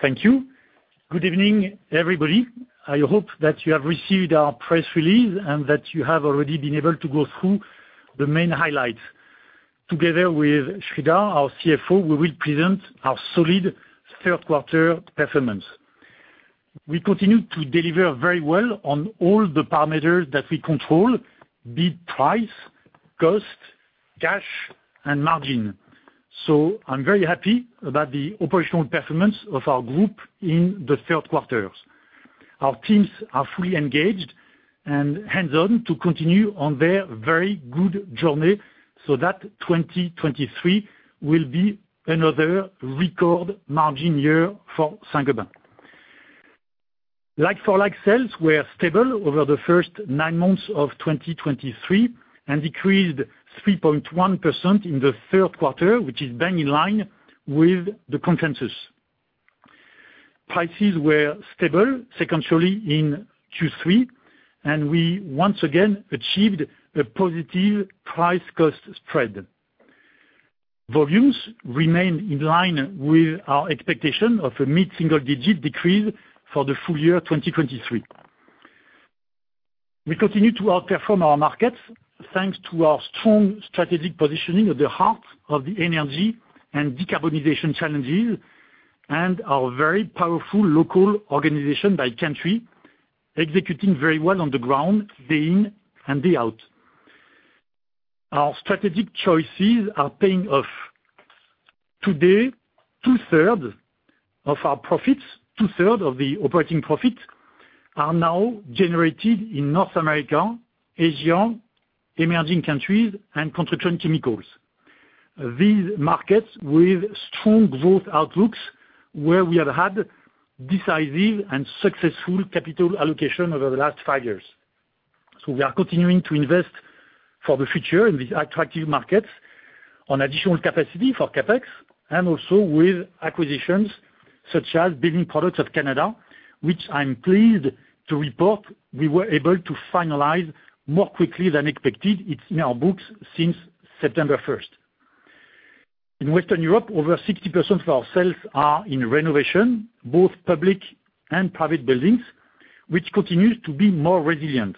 Thank you. Good evening, everybody. I hope that you have received our press release and that you have already been able to go through the main highlights. Together with Sreedhar, our CFO, we will present our solid third quarter performance. We continue to deliver very well on all the parameters that we control: price, cost, cash, and margin. I'm very happy about the operational performance of our group in the third quarter. Our teams are fully engaged and hands-on to continue on their very good journey, so that 2023 will be another record margin year for Saint-Gobain. Like-for-like sales were stable over the first nine months of 2023, and decreased 3.1% in the third quarter, which is bang in line with the consensus. Prices were stable sequentially in Q3, and we once again achieved a positive price-cost spread. Volumes remained in line with our expectation of a mid-single-digit decrease for the full year 2023. We continue to outperform our markets, thanks to our strong strategic positioning at the heart of the energy and decarbonization challenges, and our very powerful local organization by country, executing very well on the ground, day in and day out. Our strategic choices are paying off. Today, two-thirds of our profits, two-thirds of the operating profits, are now generated in North America, Asia, emerging countries, and Construction Chemicals. These markets with strong growth outlooks, where we have had decisive and successful capital allocation over the last 5 years. So we are continuing to invest for the future in these attractive markets on additional capacity for CapEx, and also with acquisitions such as Building Products of Canada, which I'm pleased to report we were able to finalize more quickly than expected. It's in our books since September 1. In Western Europe, over 60% of our sales are in renovation, both public and private buildings, which continues to be more resilient.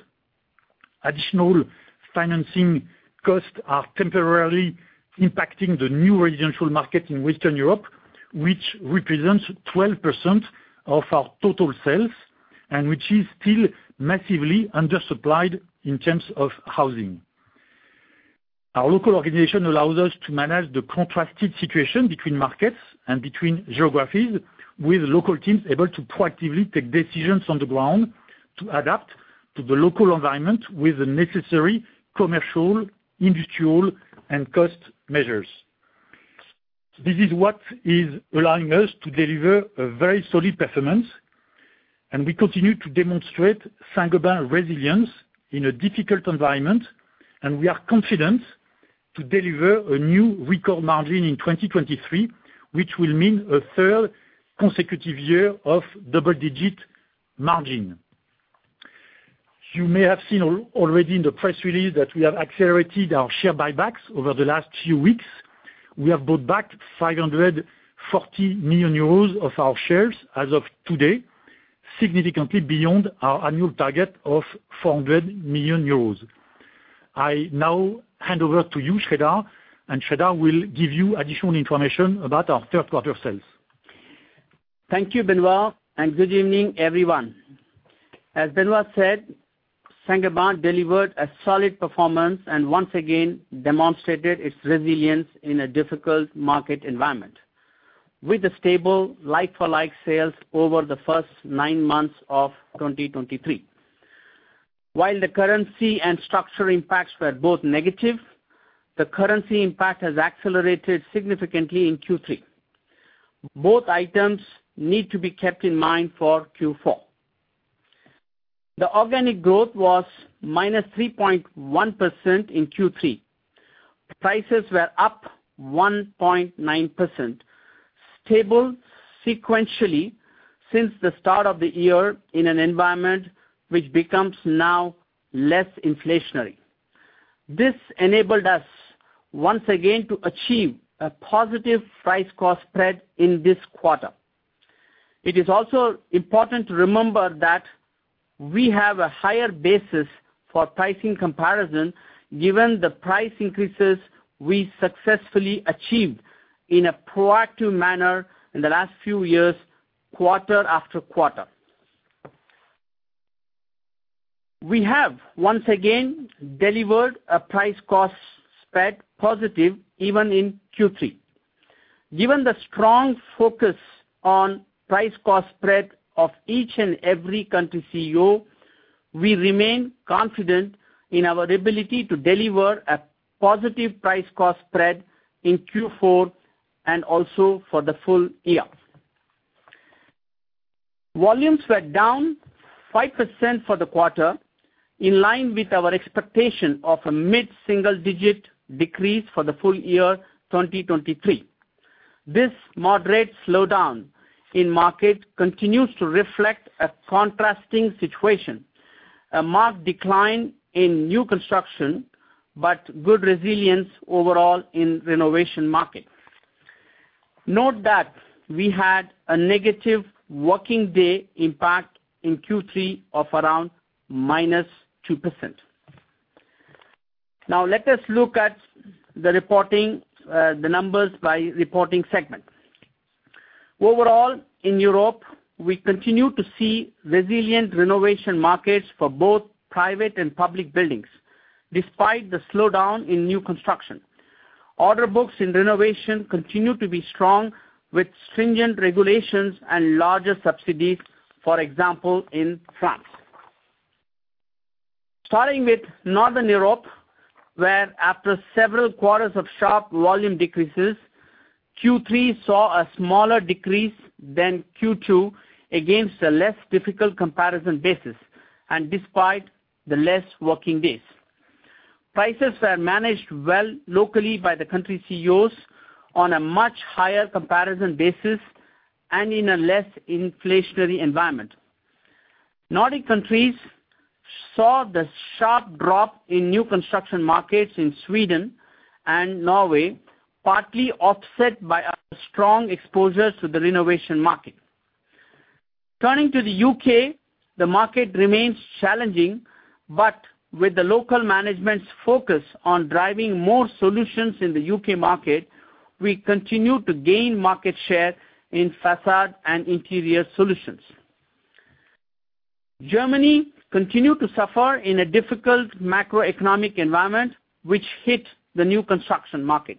Additional financing costs are temporarily impacting the new residential market in Western Europe, which represents 12% of our total sales and which is still massively undersupplied in terms of housing. Our local organization allows us to manage the contrasted situation between markets and between geographies, with local teams able to proactively take decisions on the ground to adapt to the local environment with the necessary commercial, industrial, and cost measures. This is what is allowing us to deliver a very solid performance, and we continue to demonstrate Saint-Gobain resilience in a difficult environment, and we are confident to deliver a new record margin in 2023, which will mean a third consecutive year of double-digit margin. You may have seen already in the press release that we have accelerated our share buybacks over the last few weeks. We have bought back 540 million euros of our shares as of today, significantly beyond our annual target of 400 million euros. I now hand over to you, Sreedhar, and Sreedhar will give you additional information about our third quarter sales. Thank you, Benoit, and good evening, everyone. As Benoit said, Saint-Gobain delivered a solid performance and once again demonstrated its resilience in a difficult market environment, with stable Like-for-Like sales over the first nine months of 2023. While the currency and structural impacts were both negative, the currency impact has accelerated significantly in Q3. Both items need to be kept in mind for Q4. The organic growth was -3.1% in Q3. Prices were up 1.9%, stable sequentially since the start of the year in an environment which becomes now less inflationary. This enabled us once again to achieve a positive Price-Cost Spread in this quarter. It is also important to remember that we have a higher basis for pricing comparison, given the price increases we successfully achieved in a proactive manner in the last few years, quarter after quarter. We have once again delivered a price cost spread positive even in Q3. Given the strong focus on price cost spread of each and every country CEO, we remain confident in our ability to deliver a positive price cost spread in Q4 and also for the full year. Volumes were down 5% for the quarter, in line with our expectation of a mid-single digit decrease for the full year 2023. This moderate slowdown in market continues to reflect a contrasting situation, a marked decline in new construction... but good resilience overall in renovation market. Note that we had a negative working day impact in Q3 of around -2%. Now, let us look at the reporting, the numbers by reporting segment. Overall, in Europe, we continue to see resilient renovation markets for both private and public buildings, despite the slowdown in new construction. Order books in renovation continue to be strong, with stringent regulations and larger subsidies, for example, in France. Starting with Northern Europe, where after several quarters of sharp volume decreases, Q3 saw a smaller decrease than Q2 against a less difficult comparison basis, and despite the less working days. Prices were managed well locally by the country CEOs on a much higher comparison basis and in a less inflationary environment. Nordic countries saw the sharp drop in new construction markets in Sweden and Norway, partly offset by a strong exposure to the renovation market. Turning to the UK, the market remains challenging, but with the local management's focus on driving more solutions in the UK market, we continue to gain market share in facade and interior solutions. Germany continued to suffer in a difficult macroeconomic environment, which hit the new construction market.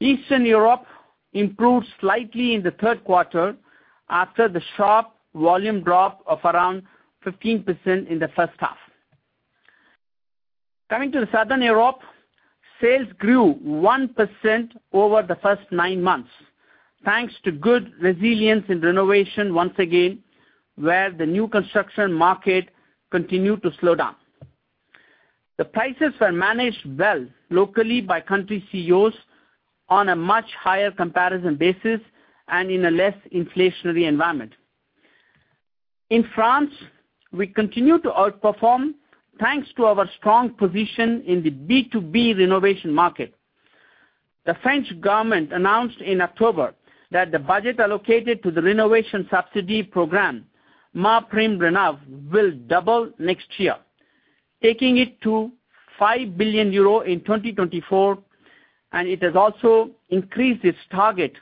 Eastern Europe improved slightly in the third quarter after the sharp volume drop of around 15% in the first half. Coming to the Southern Europe, sales grew 1% over the first nine months, thanks to good resilience in renovation once again, where the new construction market continued to slow down. The prices were managed well locally by country CEOs on a much higher comparison basis and in a less inflationary environment. In France, we continue to outperform, thanks to our strong position in the B2B renovation market. The French government announced in October that the budget allocated to the renovation subsidy program, MaPrimeRénov', will double next year, taking it to 5 billion euro in 2024, and it has also increased its target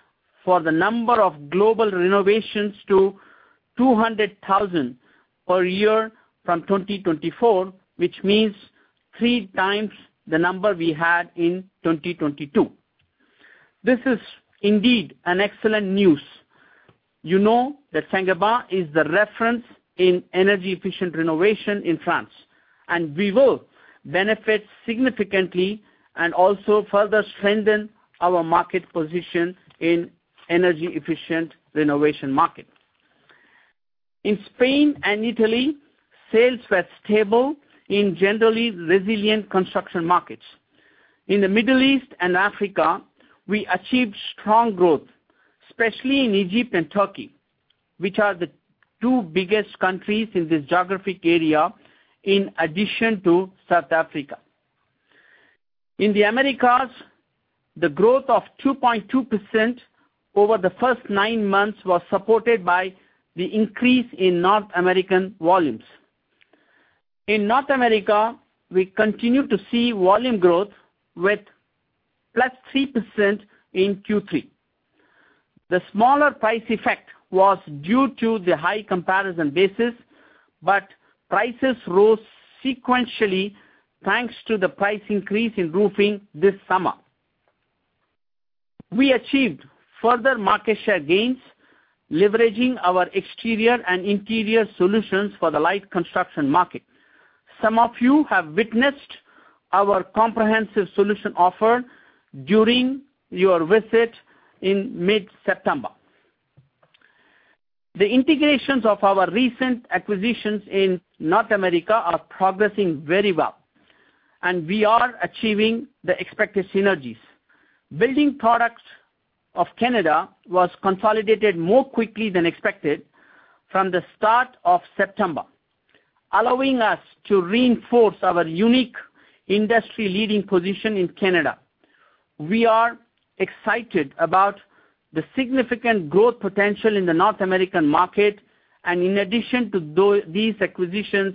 for the number of global renovations to 200,000 per year from 2024, which means 3 times the number we had in 2022. This is indeed an excellent news. You know that Saint-Gobain is the reference in energy-efficient renovation in France, and we will benefit significantly and also further strengthen our market position in energy-efficient renovation market. In Spain and Italy, sales were stable in generally resilient construction markets. In the Middle East and Africa, we achieved strong growth, especially in Egypt and Turkey, which are the two biggest countries in this geographic area, in addition to South Africa. In the Americas, the growth of 2.2% over the first nine months was supported by the increase in North American volumes. In North America, we continue to see volume growth with +3% in Q3. The smaller price effect was due to the high comparison basis, but prices rose sequentially, thanks to the price increase in roofing this summer. We achieved further market share gains, leveraging our exterior and interior solutions for the light construction market. Some of you have witnessed our comprehensive solution offer during your visit in mid-September. The integrations of our recent acquisitions in North America are progressing very well, and we are achieving the expected synergies. Building Products of Canada was consolidated more quickly than expected from the start of September, allowing us to reinforce our unique industry-leading position in Canada. We are excited about the significant growth potential in the North American market, and in addition to these acquisitions,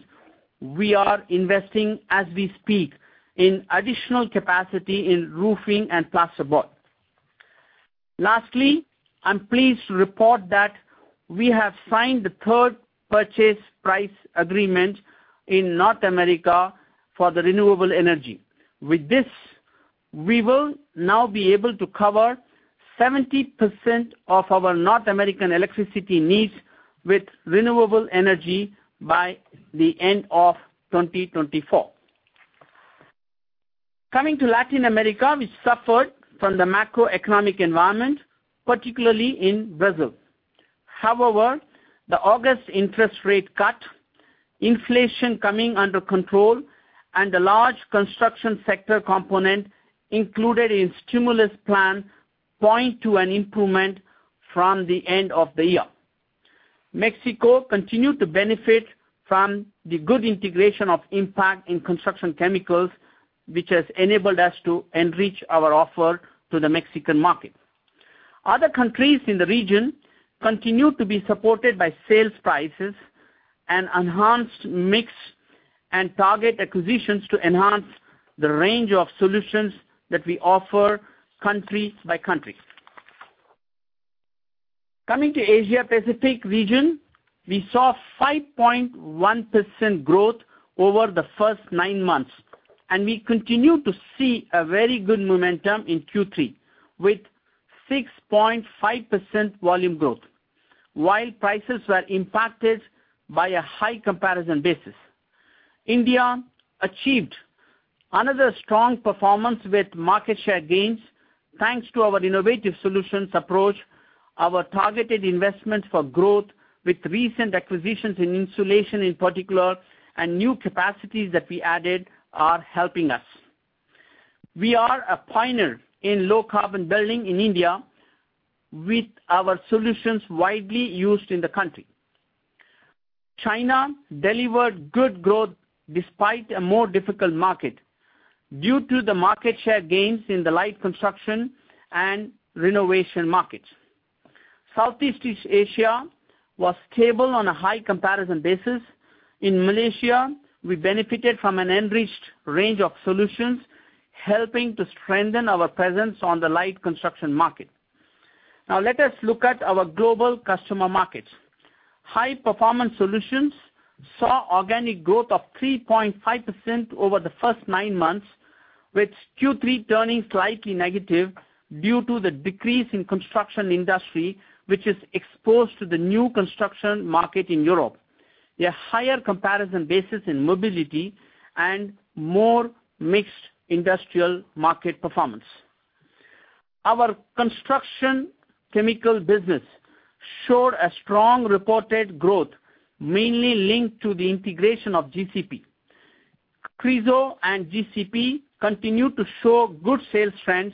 we are investing as we speak in additional capacity in roofing and plasterboard. Lastly, I'm pleased to report that we have signed the third power price agreement in North America for the renewable energy. With this, we will now be able to cover 70% of our North American electricity needs with renewable energy by the end of 2024. Coming to Latin America, we suffered from the macroeconomic environment, particularly in Brazil. However, the August interest rate cut, inflation coming under control, and the large construction sector component included in stimulus plan point to an improvement from the end of the year.... Mexico continued to benefit from the good integration of impact in construction chemicals, which has enabled us to enrich our offer to the Mexican market. Other countries in the region continue to be supported by sales prices and enhanced mix and target acquisitions to enhance the range of solutions that we offer country by country. Coming to Asia Pacific region, we saw 5.1% growth over the first nine months, and we continue to see a very good momentum in Q3, with 6.5% volume growth, while prices were impacted by a high comparison basis. India achieved another strong performance with market share gains, thanks to our innovative solutions approach, our targeted investment for growth, with recent acquisitions in insulation, in particular, and new capacities that we added are helping us. We are a pioneer in low-carbon building in India, with our solutions widely used in the country. China delivered good growth despite a more difficult market, due to the market share gains in the light construction and renovation markets. Southeast Asia was stable on a high comparison basis. In Malaysia, we benefited from an enriched range of solutions, helping to strengthen our presence on the light construction market. Now let us look at our global customer markets. High-Performance Solutions saw organic growth of 3.5% over the first nine months, with Q3 turning slightly negative due to the decrease in construction industry, which is exposed to the new construction market in Europe, a higher comparison basis in mobility, and more mixed industrial market performance. Our construction chemical business showed a strong reported growth, mainly linked to the integration of GCP. Chryso and GCP continue to show good sales trends,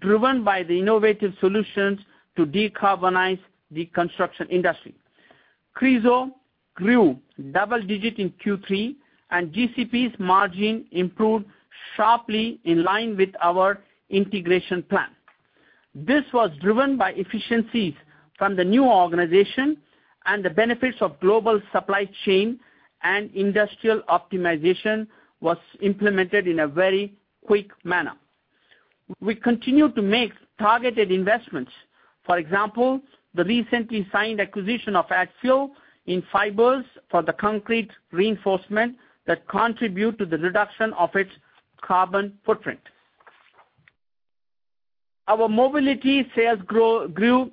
driven by the innovative solutions to decarbonize the construction industry. Chryso grew double-digit in Q3, and GCP's margin improved sharply in line with our integration plan. This was driven by efficiencies from the new organization and the benefits of global supply chain and industrial optimization was implemented in a very quick manner. We continue to make targeted investments. For example, the recently signed acquisition of Adfill in fibers for the concrete reinforcement that contribute to the reduction of its carbon footprint. Our mobility sales growth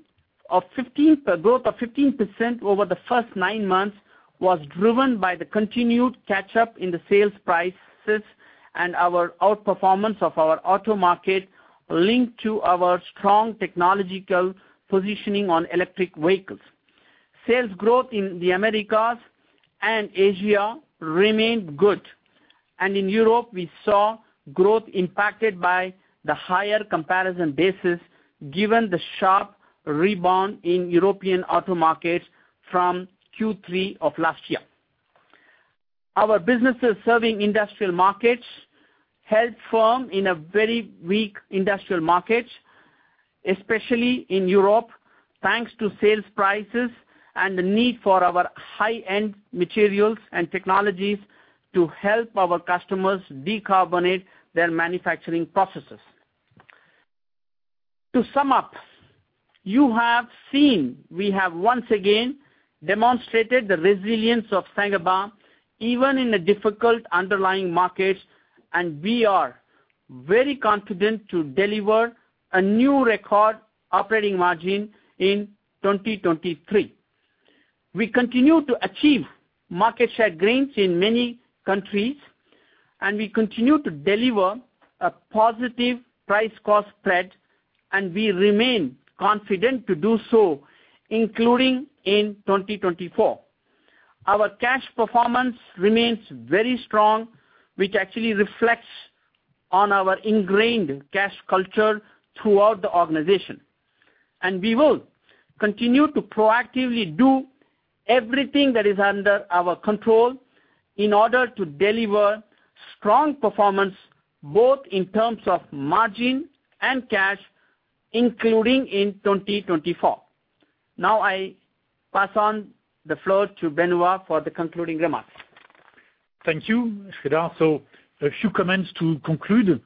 of 15% over the first nine months was driven by the continued catch-up in the sales prices and our outperformance of our auto market, linked to our strong technological positioning on electric vehicles. Sales growth in the Americas and Asia remained good. In Europe, we saw growth impacted by the higher comparison basis, given the sharp rebound in European auto markets from Q3 of last year. Our businesses serving industrial markets held firm in a very weak industrial market, especially in Europe, thanks to sales prices and the need for our high-end materials and technologies to help our customers decarbonate their manufacturing processes. To sum up, you have seen we have once again demonstrated the resilience of Saint-Gobain, even in a difficult underlying market, and we are very confident to deliver a new record operating margin in 2023. We continue to achieve market share gains in many countries, and we continue to deliver a positive price cost spread, and we remain confident to do so, including in 2024. Our cash performance remains very strong, which actually reflects on our ingrained cash culture throughout the organization. We will continue to proactively do everything that is under our control in order to deliver strong performance, both in terms of margin and cash, including in 2024. Now, I pass on the floor to Benoit for the concluding remarks. Thank you, Sreedhar. So a few comments to conclude.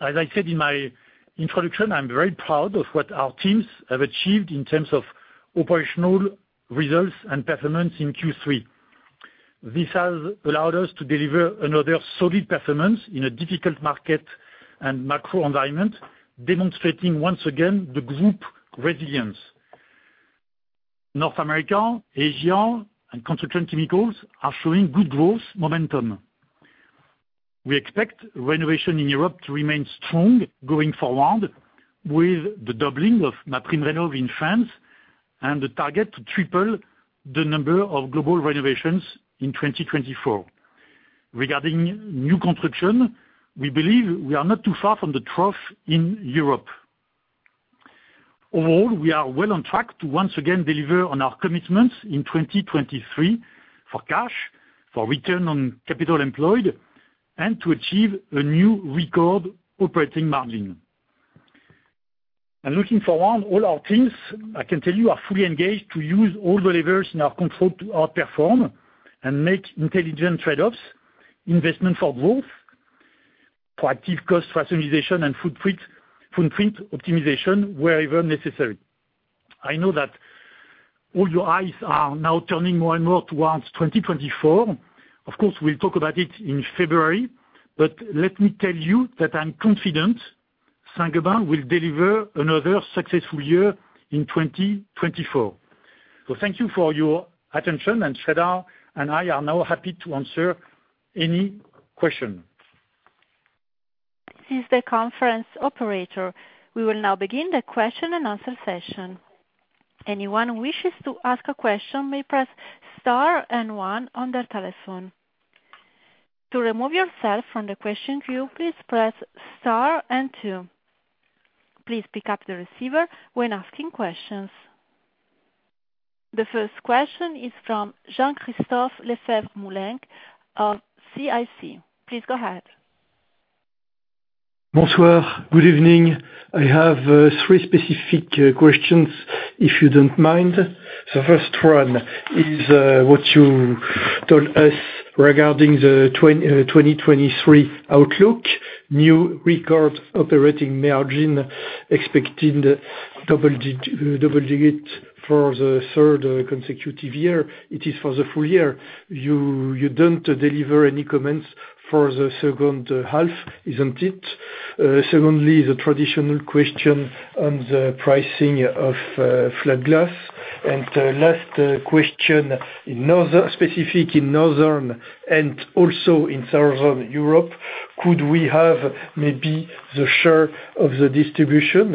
As I said in my introduction, I'm very proud of what our teams have achieved in terms of operational results and performance in Q3. This has allowed us to deliver another solid performance in a difficult market and macro environment, demonstrating once again the group resilience. North America, Asia, and Construction Chemicals are showing good growth momentum. We expect renovation in Europe to remain strong going forward with the doubling of MaPrimeRénov' in France and the target to triple the number of global renovations in 2024. Regarding new construction, we believe we are not too far from the trough in Europe. Overall, we are well on track to once again deliver on our commitments in 2023 for cash, for return on capital employed, and to achieve a new record operating margin. Looking forward, all our teams, I can tell you, are fully engaged to use all the levers in our control to outperform and make intelligent trade-offs, investment for growth, proactive cost rationalization, and footprint, footprint optimization wherever necessary. I know that all your eyes are now turning more and more towards 2024. Of course, we'll talk about it in February, but let me tell you that I'm confident Saint-Gobain will deliver another successful year in 2024. So thank you for your attention, and Sridhar and I are now happy to answer any question. This is the conference operator. We will now begin the question and answer session. Anyone who wishes to ask a question may press Star and One on their telephone. To remove yourself from the question queue, please press Star and Two. Please pick up the receiver when asking questions. The first question is from Jean-Christophe Lefèvre-Moulenq of CIC. Please go ahead. Bonsoir. Good evening. I have three specific questions, if you don't mind. The first one is what you told us regarding the 2023 outlook, new record operating margin, expecting double-digit for the third consecutive year. It is for the full year. You don't deliver any comments for the second half, isn't it? Secondly, the traditional question on the pricing of flat glass. Last question, in Northern, specifically in Northern and also in Southern Europe, could we have maybe the share of the distribution,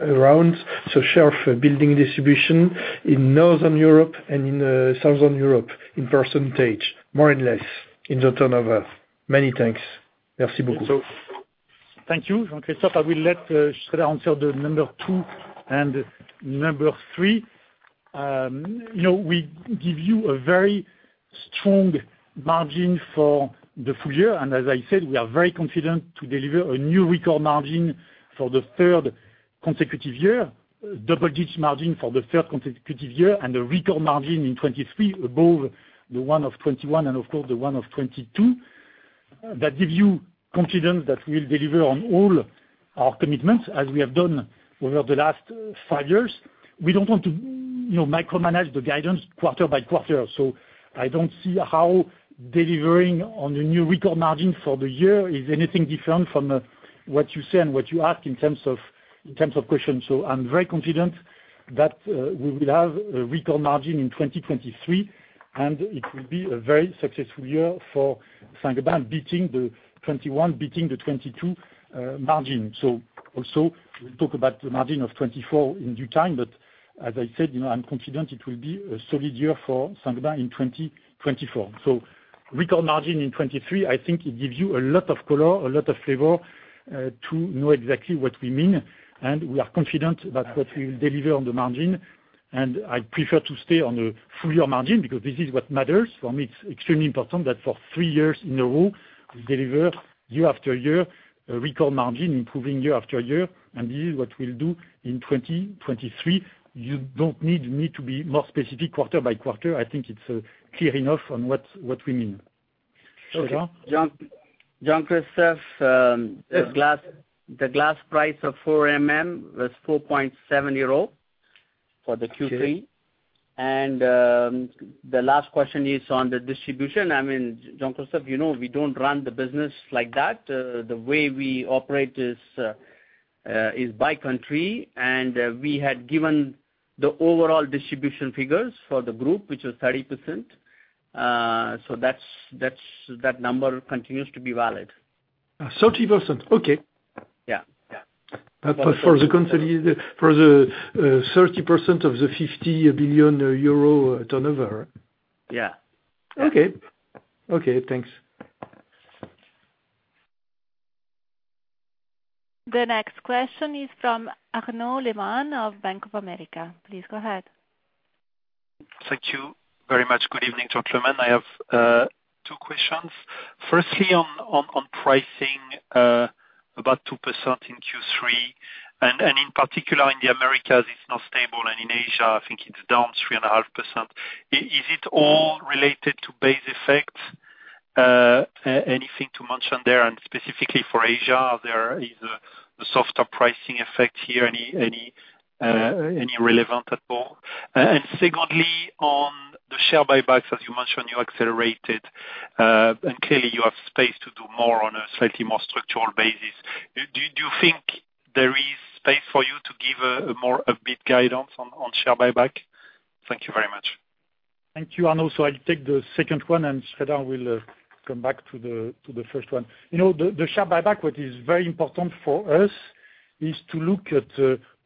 around, so share of building distribution in Northern Europe and in Southern Europe, in percentage, more or less, in the turnover? Many thanks. Merci beaucoup. Thank you, Jean-Christophe. I will let Sreedhar answer the number 2 and number 3. You know, we give you a very strong margin for the full year, and as I said, we are very confident to deliver a new record margin for the third consecutive year, double-digit margin for the third consecutive year, and a record margin in 2023 above the one of 2021, and of course, the one of 2022. That gives you confidence that we'll deliver on all our commitments, as we have done over the last five years. We don't want to, you know, micromanage the guidance quarter by quarter. So I don't see how delivering on the new record margin for the year is anything different from what you say and what you ask in terms of, in terms of questions. So I'm very confident that, we will have a record margin in 2023, and it will be a very successful year for Saint-Gobain, beating the 2021, beating the 2022, margin. So also, we'll talk about the margin of 2024 in due time, but as I said, you know, I'm confident it will be a solid year for Saint-Gobain in 2024. So record margin in 2023, I think it gives you a lot of color, a lot of flavor, to know exactly what we mean, and we are confident about what we will deliver on the margin. And I prefer to stay on a full year margin, because this is what matters. For me, it's extremely important that for three years in a row, we deliver year after year, a record margin, improving year after year, and this is what we'll do in 2023. You don't need me to be more specific quarter by quarter. I think it's clear enough on what, what we mean. Sreedhar? Jean, Jean-Christophe, the glass, the glass price of 4 mm was 4.7 euro for the Q3. Okay. The last question is on the distribution. I mean, Jean-Christophe, you know, we don't run the business like that. The way we operate is by country, and we had given the overall distribution figures for the group, which was 30%. So that's, that's, that number continues to be valid. 30%? Okay. Yeah, yeah. But for the country, for the 30% of the 50 billion euro turnover? Yeah. Okay. Okay, thanks. The next question is from Arnaud Lehmann of Bank of America. Please go ahead. Thank you very much. Good evening, gentlemen. I have two questions. Firstly, on pricing, about 2% in Q3, and in particular in the Americas, it's now stable, and in Asia, I think it's down 3.5%. Is it all related to base effect? Anything to mention there? And specifically for Asia, is there a softer pricing effect here, any relevant at all? And secondly, on the share buybacks, as you mentioned, you accelerated, and clearly you have space to do more on a slightly more structural basis. Do you think there is space for you to give a bit more guidance on share buyback? Thank you very much. Thank you, Arnaud. I'll take the second one, and Sridhar will come back to the first one. You know, the share buyback, what is very important for us is to look at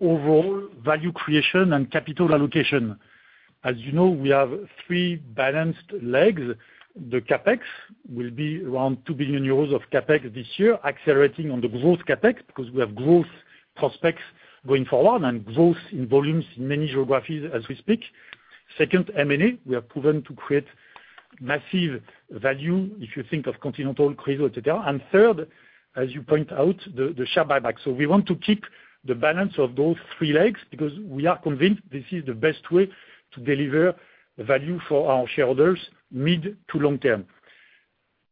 overall value creation and capital allocation. As you know, we have three balanced legs. The CapEx will be around 2 billion euros of CapEx this year, accelerating on the growth CapEx, because we have growth prospects going forward and growth in volumes in many geographies as we speak. Second, M&A, we have proven to create massive value if you think of Continental, CHRYSO, et cetera. Third, as you point out, the share buyback. We want to keep the balance of those three legs because we are convinced this is the best way to deliver value for our shareholders mid to long term.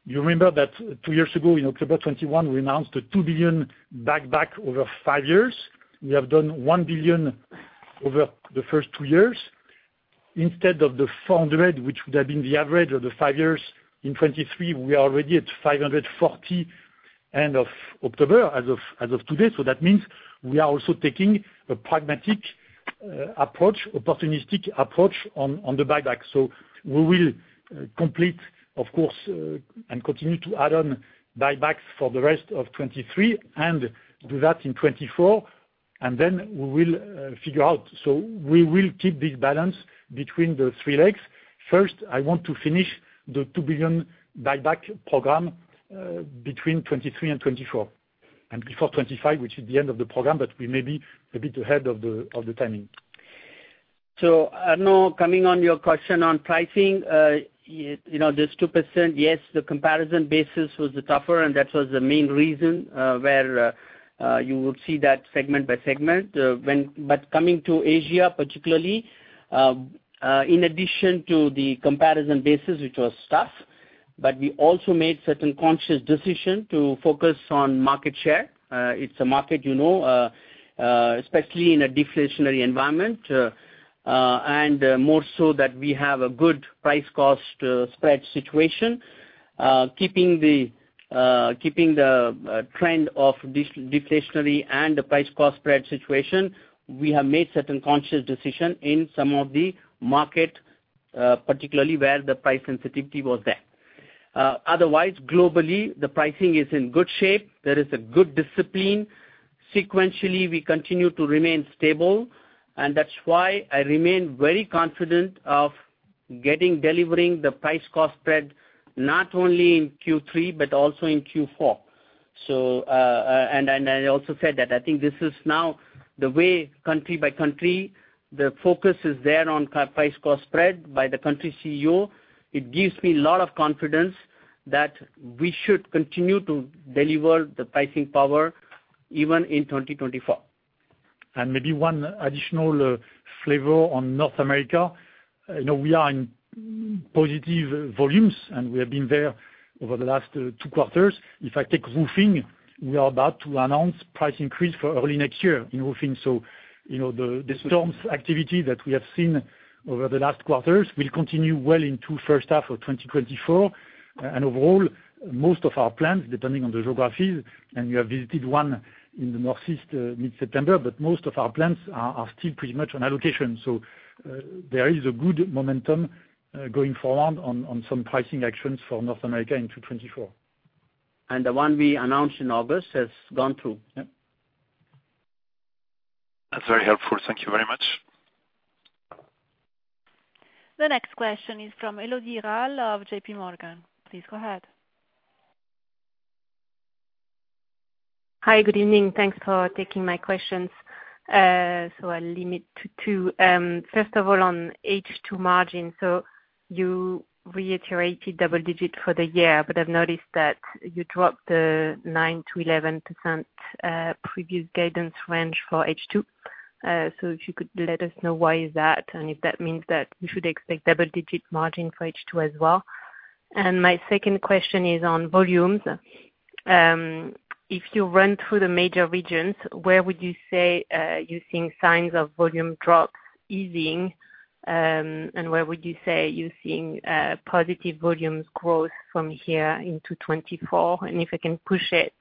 You remember that two years ago, in October 2021, we announced a 2 billion buyback over five years. We have done 1 billion over the first two years. Instead of the 400 million, which would have been the average of the five years, in 2023, we are already at 540 million end of October, as of, as of today. So that means we are also taking a pragmatic, approach, opportunistic approach on, on the buyback. So we will, complete, of course, and continue to add on buybacks for the rest of 2023, and do that in 2024, and then we will, figure out. So we will keep this balance between the three legs. First, I want to finish the 2 billion buyback program, between 2023 and 2024, and before 2025, which is the end of the program, but we may be a bit ahead of the timing. So, Arnaud, coming on your question on pricing, you know, this 2%, yes, the comparison basis was tougher, and that was the main reason, where you will see that segment by segment. But coming to Asia particularly, in addition to the comparison basis, which was tough, but we also made certain conscious decision to focus on market share. It's a market, you know, especially in a deflationary environment, and more so that we have a good price cost spread situation. Keeping the trend of deflationary and the price cost spread situation, we have made certain conscious decision in some of the market, particularly where the price sensitivity was there. Otherwise, globally, the pricing is in good shape. There is a good discipline. Sequentially, we continue to remain stable, and that's why I remain very confident of getting, delivering the price-cost spread, not only in Q3, but also in Q4. So, I also said that I think this is now the way, country by country, the focus is there on the price-cost spread by the country CEO. It gives me a lot of confidence that we should continue to deliver the pricing power even in 2024. And maybe one additional flavor on North America. You know, we are in positive volumes, and we have been there over the last 2 quarters. If I take roofing, we are about to announce price increase for early next year in roofing. So, you know, the storms activity that we have seen over the last quarters will continue well into first half of 2024. And overall, most of our plants, depending on the geographies, and we have visited one in the Northeast mid-September, but most of our plants are still pretty much on allocation. So, there is a good momentum going forward on some pricing actions for North America into 2024. The one we announced in August has gone through. Yep. That's very helpful. Thank you very much. The next question is from Elodie Rall of J.P. Morgan. Please go ahead. Hi, good evening. Thanks for taking my questions. So I'll limit to two. First of all, on H2 margin, so you reiterated double-digit for the year, but I've noticed that you dropped the 9%-11% previous guidance range for H2. So if you could let us know why is that, and if that means that we should expect double-digit margin for H2 as well? And my second question is on volumes. If you run through the major regions, where would you say you're seeing signs of volume drops easing, and where would you say you're seeing positive volumes growth from here into 2024? And if I can push it,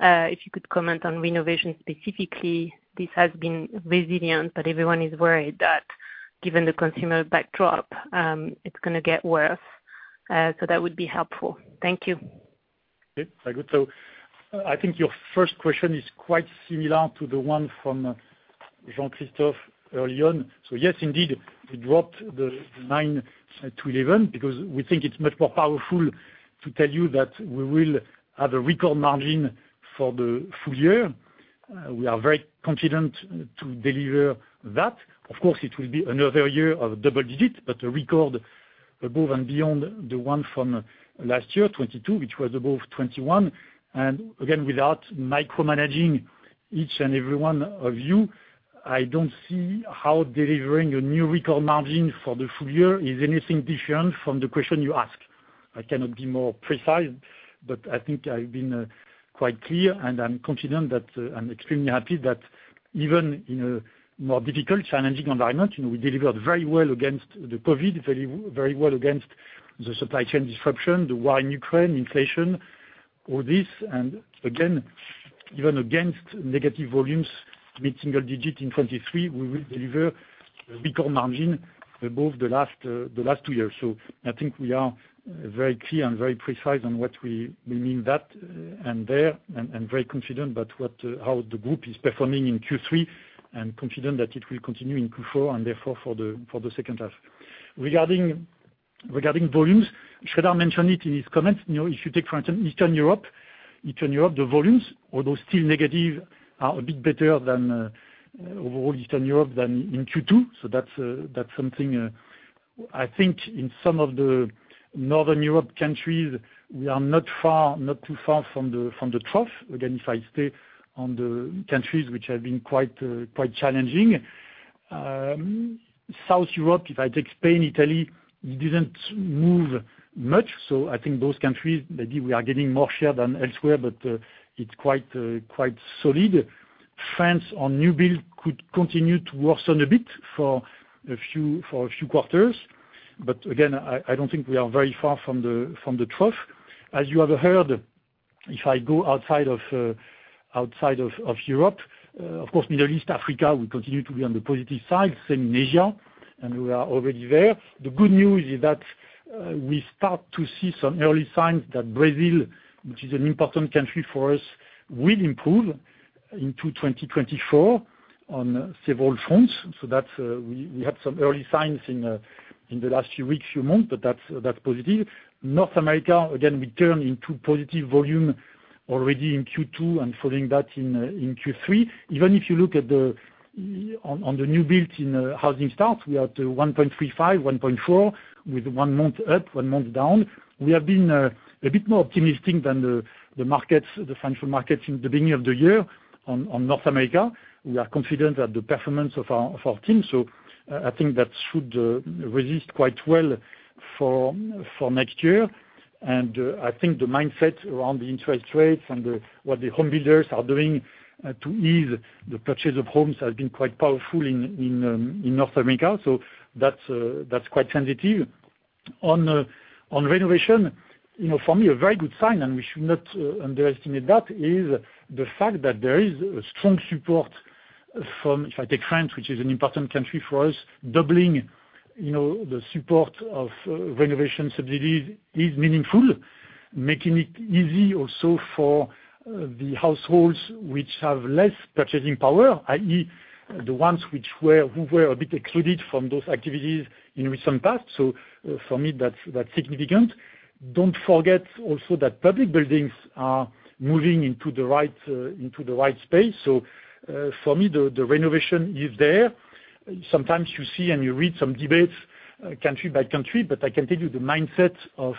if you could comment on renovation specifically. This has been resilient, but everyone is worried that given the consumer backdrop, it's gonna get worse. So that would be helpful. Thank you. Okay, very good. I think your first question is quite similar to the one from Jean-Christophe earlier on. Yes, indeed, we dropped the 9-11 because we think it's much more powerful to tell you that we will have a record margin for the full year. We are very confident to deliver that. Of course, it will be another year of double digit, but a record above and beyond the one from last year, 2022, which was above 2021. Again, without micromanaging each and every one of you, I don't see how delivering a new record margin for the full year is anything different from the question you ask. I cannot be more precise, but I think I've been quite clear, and I'm confident that I'm extremely happy that even in a more difficult challenging environment, you know, we delivered very well against the COVID, very, very well against the supply chain disruption, the war in Ukraine, inflation, all this, and again, even against negative volumes—mid-single digit in 2023, we will deliver record margin above the last, the last two years. So I think we are very clear and very precise on what we, we mean that and there, and, and very confident about what how the group is performing in Q3, and confident that it will continue in Q4, and therefore, for the, for the second half. Regarding, regarding volumes, should I mention it in his comments? You know, if you take, for instance, Eastern Europe, Eastern Europe, the volumes, although still negative, are a bit better than overall Eastern Europe than in Q2. So that's, that's something, I think in some of the Northern Europe countries, we are not far, not too far from the, from the trough. Again, if I stay on the countries which have been quite, quite challenging. South Europe, if I take Spain, Italy, it didn't move much. So I think those countries, maybe we are getting more share than elsewhere, but, it's quite, quite solid. France, on new build, could continue to worsen a bit for a few, for a few quarters. But again, I, I don't think we are very far from the, from the trough. As you have heard, if I go outside of Europe, of course, Middle East, Africa, we continue to be on the positive side, same in Asia, and we are already there. The good news is that we start to see some early signs that Brazil, which is an important country for us, will improve into 2024 on several fronts. So that's, we had some early signs in the last few weeks, few months, but that's positive. North America, again, we turn into positive volume already in Q2, and following that in Q3. Even if you look at the new build in housing starts, we are at 1.35, 1.4, with one month up, one month down. We have been a bit more optimistic than the markets, the financial markets in the beginning of the year on North America. We are confident that the performance of our team, so I think that should resist quite well for next year. I think the mindset around the interest rates and what the homebuilders are doing to ease the purchase of homes has been quite powerful in North America. That's quite sensitive. On renovation, you know, for me, a very good sign, and we should not underestimate that, is the fact that there is a strong support from, if I take France, which is an important country for us, doubling the support of renovation subsidies is meaningful. Making it easy also for the households which have less purchasing power, i.e. the ones which were, who were a bit excluded from those activities in recent past. So for me, that's, that's significant. Don't forget also that public buildings are moving into the right, into the right space. So, for me, the, the renovation is there. Sometimes you see and you read some debates, country by country, but I can tell you the mindset of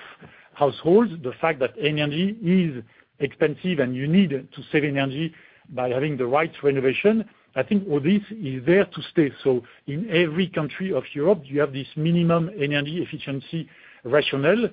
households, the fact that energy is expensive and you need to save energy by having the right renovation, I think all this is there to stay. So in every country of Europe, you have this minimum energy efficiency rationale.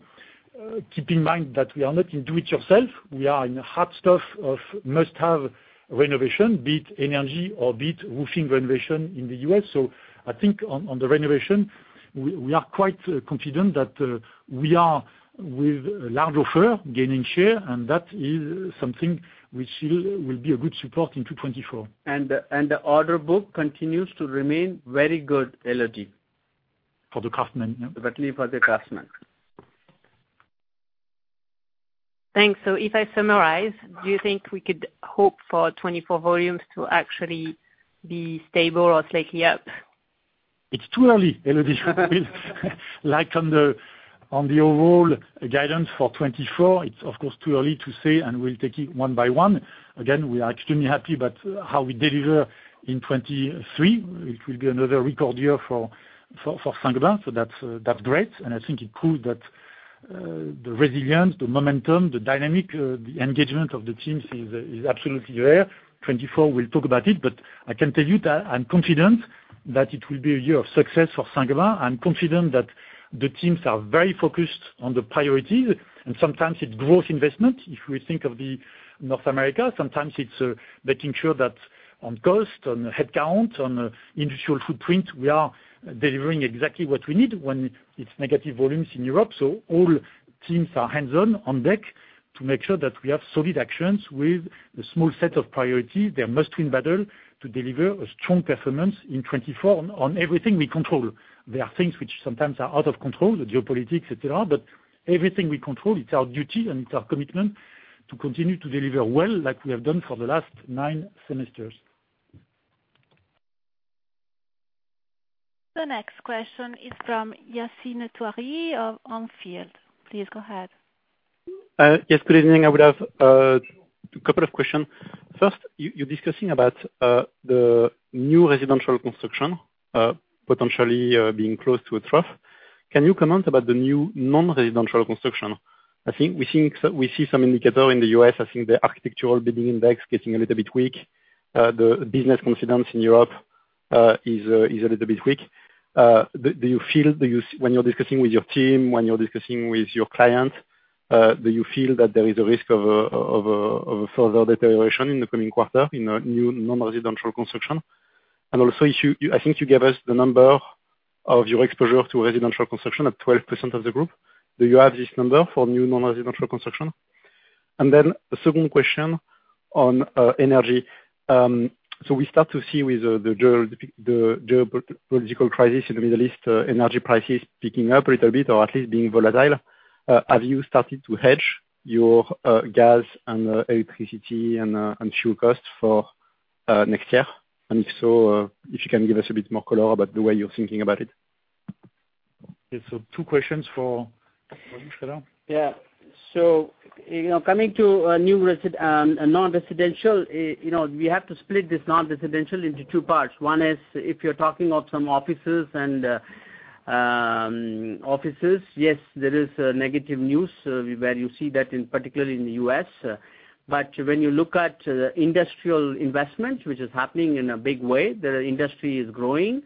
Keep in mind that we are not in do it yourself. We are in hot stuff of must-have renovation, be it energy or be it roofing renovation in the U.S. So I think on the renovation, we are quite confident that we are with a large offer, gaining share, and that is something which will be a good support in 2024. And the order book continues to remain very good, Elodie? For the craftsmen, yeah. Particularly for the craftsmen. Thanks. So if I summarize, do you think we could hope for 2024 volumes to actually be stable or slightly up? It's too early, Elodie. Like on the overall guidance for 2024, it's of course too early to say, and we'll take it one by one. Again, we are extremely happy, but how we deliver in 2023, it will be another record year for Saint-Gobain, so that's great. And I think it proves that the resilience, the momentum, the dynamic, the engagement of the teams is absolutely there. 2024, we'll talk about it, but I can tell you that I'm confident that it will be a year of success for Saint-Gobain. I'm confident that the teams are very focused on the priorities, and sometimes it's growth investment. If we think of North America, sometimes it's making sure that on cost, on headcount, on industrial footprint, we are delivering exactly what we need when it's negative volumes in Europe. So all teams are hands-on on deck to make sure that we have solid actions with a small set of priorities. They are must-win battle to deliver a strong performance in 2024 on everything we control. There are things which sometimes are out of control, the geopolitics, et cetera, et cetera, but everything we control, it's our duty and it's our commitment to continue to deliver well, like we have done for the last nine semesters. The next question is from Yassine Touahri of On Field. Please go ahead. Yes, good evening. I would have a couple of questions. First, you're discussing about the new residential construction potentially being close to a trough. Can you comment about the new non-residential construction? I think we see some indicator in the US, I think the architectural bidding index getting a little bit weak. The business confidence in Europe is a little bit weak. Do you feel, when you're discussing with your team, when you're discussing with your clients, do you feel that there is a risk of a further deterioration in the coming quarter in a new non-residential construction? And also, I think you gave us the number of your exposure to residential construction at 12% of the group. Do you have this number for new non-residential construction? And then the second question on energy. So we start to see with the geo, the geopolitical crisis in the Middle East, energy prices picking up a little bit or at least being volatile. Have you started to hedge your gas and electricity and fuel costs for next year? And if so, if you can give us a bit more color about the way you're thinking about it. Yeah, so two questions for Sreedhar. Yeah. So, you know, coming to non-residential, you know, we have to split this non-residential into two parts. One is if you're talking of some offices and offices, yes, there is negative news, where you see that particularly in the US. But when you look at industrial investment, which is happening in a big way, the industry is growing.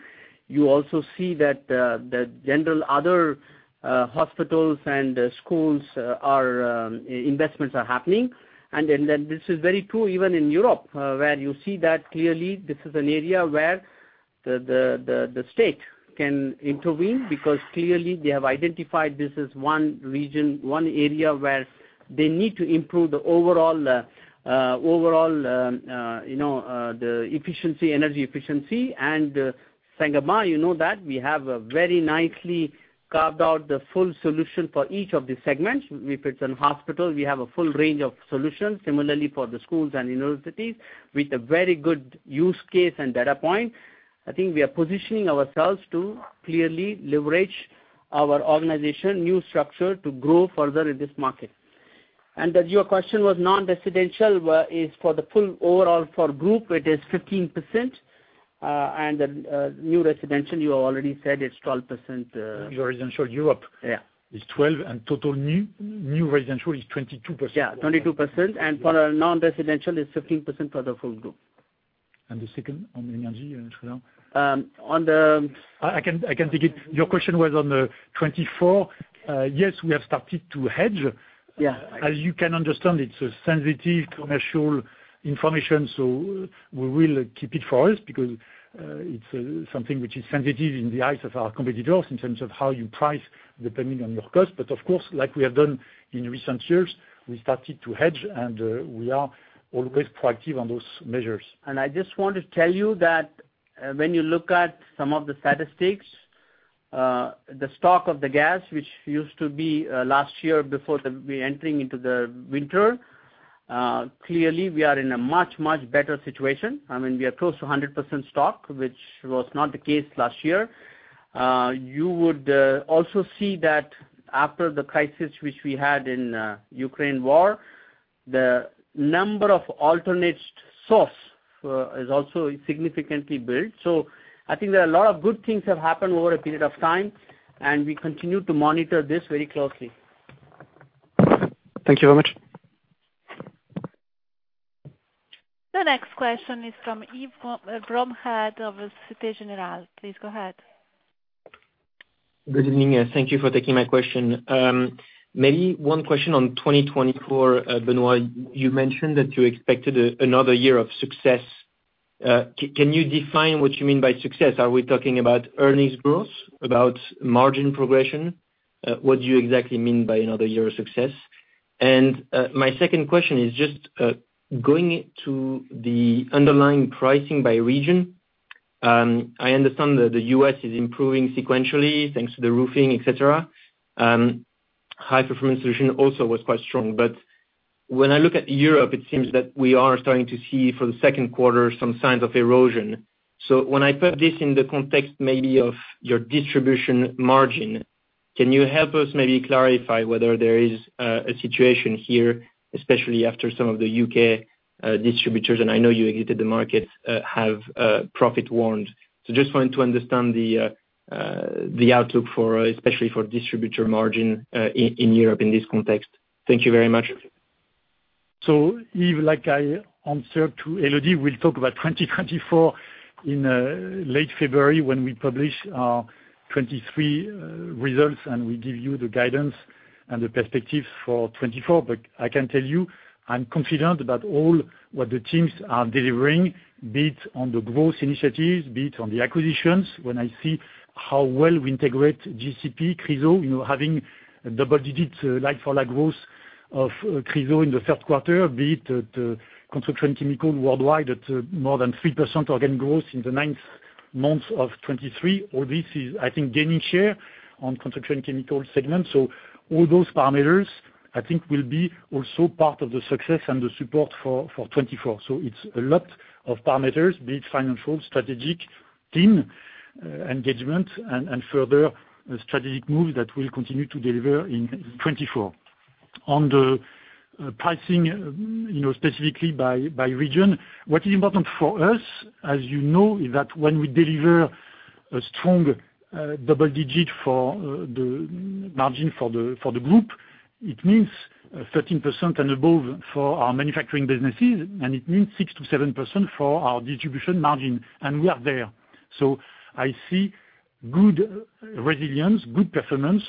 You also see that the general other hospitals and schools investments are happening. And then this is very true even in Europe, where you see that clearly this is an area where the state can intervene, because clearly they have identified this as one region, one area where they need to improve the overall efficiency, energy efficiency. Sangama, you know, that we have a very nicely carved out the full solution for each of the segments. If it's in hospital, we have a full range of solutions. Similarly, for the schools and universities, with a very good use case and data point, I think we are positioning ourselves to clearly leverage our organization, new structure to grow further in this market. That your question was non-residential, where is for the full overall for group, it is 15%, and the new residential, you already said it's 12%. Residential Europe- Yeah. is 12, and total new residential is 22%. Yeah, 22%. And for our non-residential, it's 15% for the full group. The second on the energy, Sreedhar? On the- I can, I can take it. Your question was on the 2024. Yes, we have started to hedge. Yeah. As you can understand, it's a sensitive commercial information, so we will keep it for us, because it's something which is sensitive in the eyes of our competitors, in terms of how you price, depending on your cost. But of course, like we have done in recent years, we started to hedge, and we are always proactive on those measures. I just want to tell you that, when you look at some of the statistics, the stock of the gas, which used to be last year before we entering into the winter, clearly we are in a much, much better situation. I mean, we are close to 100% stock, which was not the case last year. You would also see that after the crisis which we had in Ukraine war, the number of alternate source is also significantly built. So I think there are a lot of good things have happened over a period of time, and we continue to monitor this very closely. Thank you very much. The next question is from Yves Bromehead of Société Générale. Please go ahead. Good evening, and thank you for taking my question. Maybe one question on 2024. Benoît, you mentioned that you expected another year of success. Can you define what you mean by success? Are we talking about earnings growth, about margin progression? What do you exactly mean by another year of success? And, my second question is just, going to the underlying pricing by region. I understand that the U.S. is improving sequentially, thanks to the roofing, et cetera. High-performance solution also was quite strong. But when I look at Europe, it seems that we are starting to see for the second quarter, some signs of erosion. So when I put this in the context, maybe of your distribution margin, can you help us maybe clarify whether there is a situation here, especially after some of the UK distributors, and I know you exited the market, have profit warned? So just want to understand the outlook for, especially for distributor margin, in Europe in this context. Thank you very much. Yves, like I answered to Elodie, we'll talk about 2024 in late February when we publish our 2023 results, and we give you the guidance and the perspectives for 2024. But I can tell you, I'm confident about all what the teams are delivering, be it on the growth initiatives, be it on the acquisitions. When I see how well we integrate GCP, CHRYSO, you know, having double digits like-for-like growth of CHRYSO in the third quarter, be it the construction chemicals worldwide at more than 3% organic growth in the ninth month of 2023, all this is, I think, gaining share in construction chemicals segment. So all those parameters, I think will be also part of the success and the support for 2024. So it's a lot of parameters, be it financial, strategic, team, engagement, and further strategic moves that will continue to deliver in 2024. On the pricing, you know, specifically by region, what is important for us, as you know, is that when we deliver a strong double-digit for the margin for the group, it means 13% and above for our manufacturing businesses, and it means 6%-7% for our distribution margin, and we are there. So I see good resilience, good performance.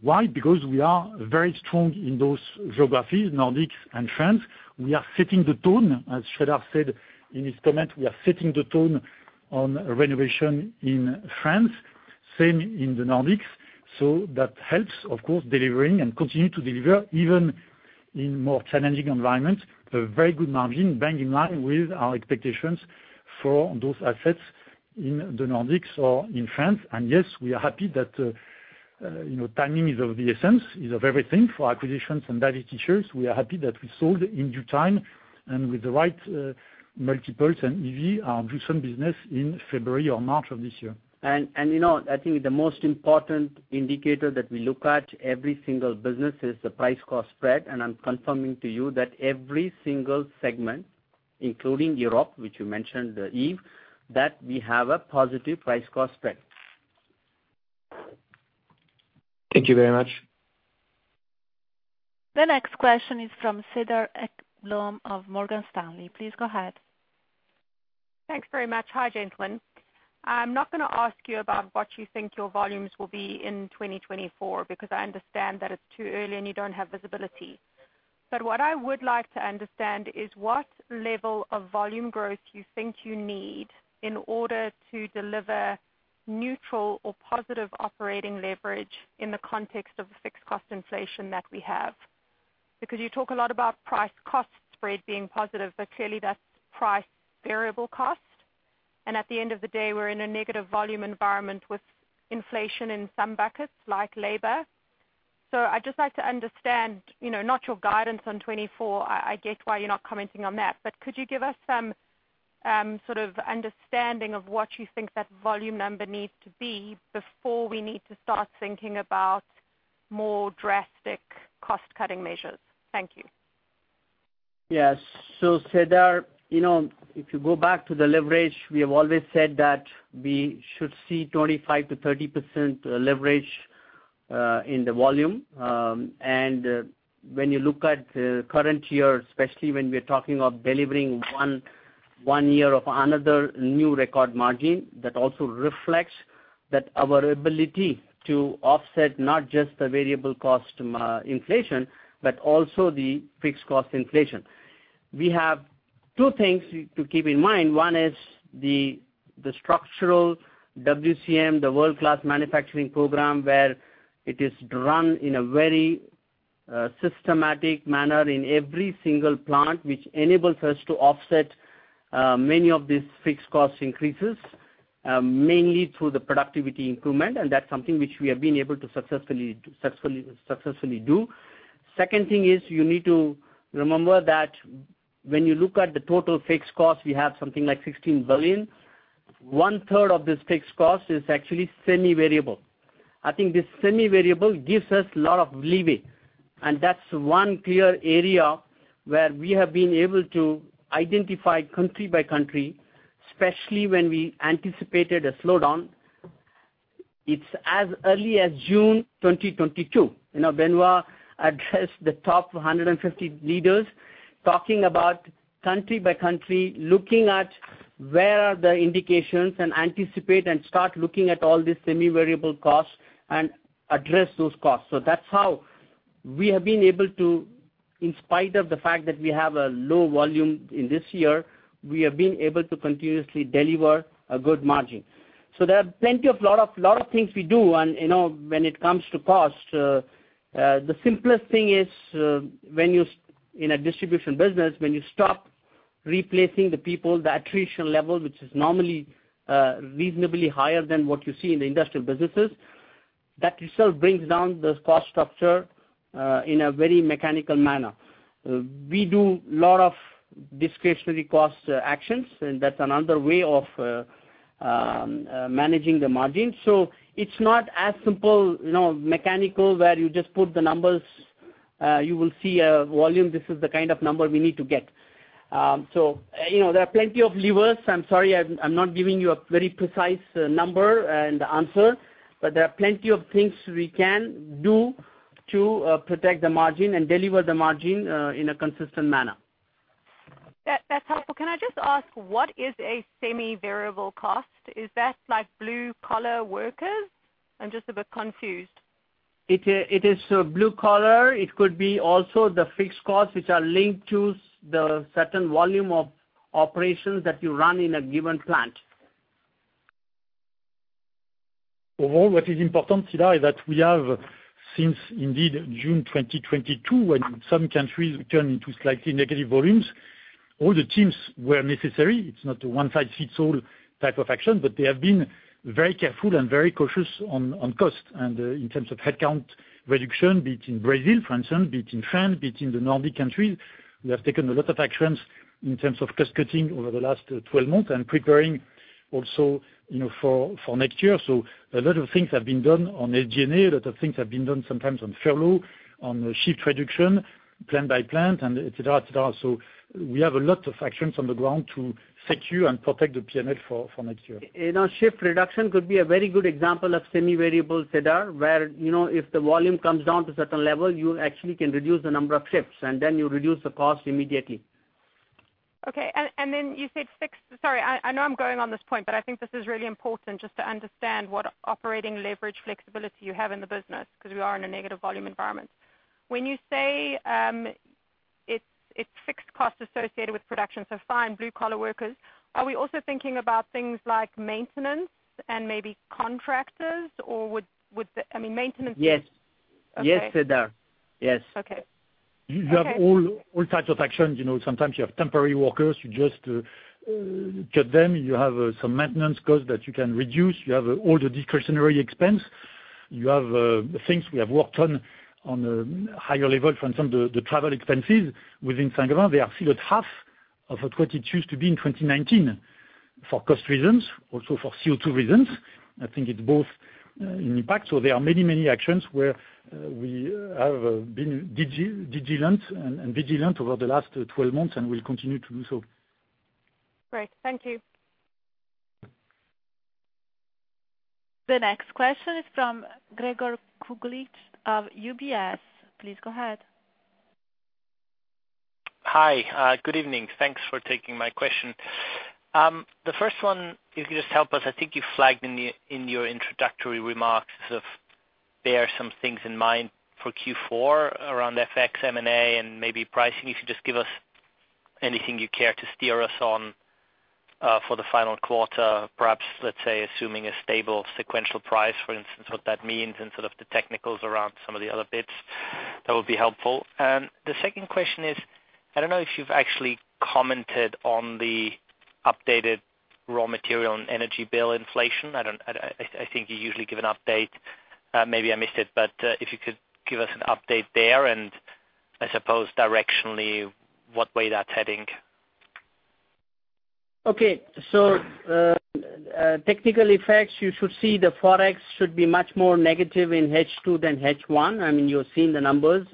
Why? Because we are very strong in those geographies, Nordics and France. We are setting the tone, as Sharad said in his comment, we are setting the tone on renovation in France, same in the Nordics.... So that helps, of course, delivering and continue to deliver, even in more challenging environments, a very good margin, bang in line with our expectations for those assets in the Nordics or in France. And yes, we are happy that, you know, timing is of the essence, is of everything for acquisitions and divestitures. We are happy that we sold in due time and with the right multiples and EV, our recent business in February or March of this year. You know, I think the most important indicator that we look at every single business is the price-cost spread, and I'm confirming to you that every single segment, including Europe, which you mentioned, Yves, that we have a positive price-cost spread. Thank you very much. The next question is from Cedar Ekblom of Morgan Stanley. Please go ahead. Thanks very much. Hi, gentlemen. I'm not gonna ask you about what you think your volumes will be in 2024, because I understand that it's too early and you don't have visibility. What I would like to understand is what level of volume growth you think you need in order to deliver neutral or positive operating leverage in the context of the fixed cost inflation that we have. You talk a lot about price cost spread being positive, but clearly, that's price variable cost. At the end of the day, we're in a negative volume environment with inflation in some buckets, like labor. I'd just like to understand, you know, not your guidance on 2024, I get why you're not commenting on that, but could you give us some sort of understanding of what you think that volume number needs to be before we need to start thinking about more drastic cost-cutting measures? Thank you. Yes. So Cedar, you know, if you go back to the leverage, we have always said that we should see 25%-30% leverage in the volume. And when you look at the current year, especially when we're talking of delivering one year of another new record margin, that also reflects that our ability to offset not just the variable cost inflation, but also the fixed cost inflation. We have two things to keep in mind. One is the structural WCM, the World-Class Manufacturing program, where it is run in a very systematic manner in every single plant, which enables us to offset many of these fixed cost increases, mainly through the productivity improvement, and that's something which we have been able to successfully do. Second thing is, you need to remember that when you look at the total fixed cost, we have something like 16 billion. One third of this fixed cost is actually semi-variable. I think this semi-variable gives us a lot of leeway, and that's one clear area where we have been able to identify country by country, especially when we anticipated a slowdown. It's as early as June 2022, you know, Benoit addressed the top 150 leaders, talking about country by country, looking at where are the indications and anticipate and start looking at all these semi-variable costs and address those costs. So that's how we have been able to, in spite of the fact that we have a low volume in this year, we have been able to continuously deliver a good margin. So there are plenty of things we do, and, you know, when it comes to cost, the simplest thing is, when you in a distribution business, when you stop replacing the people, the attrition level, which is normally reasonably higher than what you see in the industrial businesses, that itself brings down the cost structure in a very mechanical manner. We do a lot of discretionary cost actions, and that's another way of managing the margin. So it's not as simple, you know, mechanical, where you just put the numbers, you will see a volume, this is the kind of number we need to get. So, you know, there are plenty of levers. I'm sorry, I'm not giving you a very precise number and answer, but there are plenty of things we can do to protect the margin and deliver the margin in a consistent manner. That, that's helpful. Can I just ask, what is a semi-variable cost? Is that like blue-collar workers? I'm just a bit confused. It is blue-collar. It could be also the fixed costs, which are linked to the certain volume of operations that you run in a given plant. Overall, what is important, Cedar, is that we have, since indeed June 2022, when some countries turned into slightly negative volumes, all the teams were necessary. It's not a one-size-fits-all type of action, but they have been very careful and very cautious on, on cost. And in terms of headcount reduction, be it in Brazil, for instance, be it in France, be it in the Nordic countries, we have taken a lot of actions in terms of cost-cutting over the last 12 months and preparing also, you know, for, for next year. So a lot of things have been done on SG&A, a lot of things have been done sometimes on furlough, on shift reduction, plant by plant, and et cetera, et cetera. So we have a lot of actions on the ground to secure and protect the PNL for, for next year. You know, shift reduction could be a very good example of semi-variable, Cedar, where, you know, if the volume comes down to a certain level, you actually can reduce the number of shifts, and then you reduce the cost immediately. Okay. You said fixed-- Sorry, I know I'm going on this point, but I think this is really important just to understand what operating leverage flexibility you have in the business, because we are in a negative volume environment. When you say it's fixed costs associated with production, so fine, blue collar workers. Are we also thinking about things like maintenance and maybe contractors, or would the-- I mean, maintenance- Yes. Okay. Yes, Cedar. Yes. Okay. Okay. You, you have all, all types of actions. You know, sometimes you have temporary workers, you just cut them. You have some maintenance costs that you can reduce. You have all the discretionary expense. You have the things we have worked on, on a higher level, for instance, the travel expenses within Saint-Gobain; they are still at half of what it used to be in 2019, for cost reasons, also for CO2 reasons. I think it's both in impact. So there are many, many actions where we have been diligent and vigilant over the last 12 months, and we'll continue to do so. Great. Thank you. The next question is from Gregor Kuglitsch of UBS. Please go ahead. Hi, good evening. Thanks for taking my question. The first one, if you could just help us, I think you flagged in your, in your introductory remarks, sort of, there are some things in mind for Q4 around FX, M&A, and maybe pricing. If you could just give us anything you care to steer us on, for the final quarter, perhaps, let's say, assuming a stable sequential price, for instance, what that means, and sort of the technicals around some of the other bits, that would be helpful. And the second question is, I don't know if you've actually commented on the updated raw material and energy bill inflation. I think you usually give an update. Maybe I missed it, but, if you could give us an update there, and I suppose directionally, what way that's heading? Okay. Technical effects, you should see the Forex should be much more negative in H2 than H1. I mean, you have seen the numbers.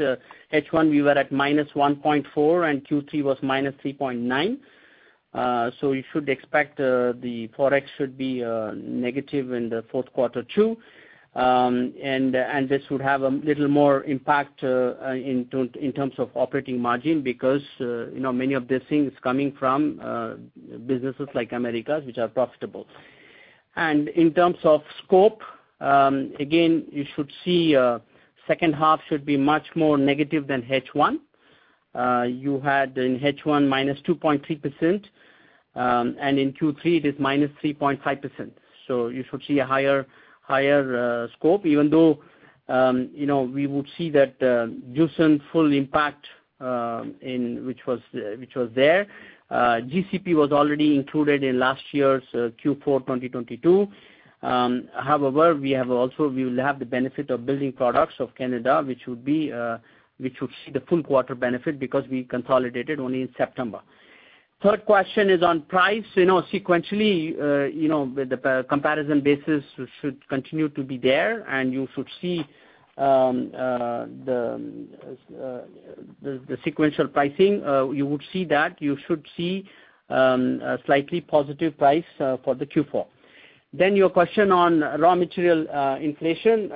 H1, we were at -1.4%, and Q3 was -3.9%. You should expect the Forex should be negative in the fourth quarter, too. This would have a little more impact in terms of operating margin, because, you know, many of these things coming from businesses like Americas, which are profitable. In terms of scope, again, you should see second half should be much more negative than H1. You had in H1 -2.3%, and in Q3, it is -3.5%. You should see a higher, higher scope, even though, you know, we would see that Gypsum full impact, in which was, which was there. GCP was already included in last year's Q4 2022. However, we have also, we will have the benefit of Building Products of Canada, which would be, which would see the full quarter benefit because we consolidated only in September. Third question is on price. You know, sequentially, you know, with the pa- comparison basis should continue to be there, and you should see, you know, the sequential pricing. You would see that. You should see a slightly positive price for the Q4. Then your question on raw material, inflation.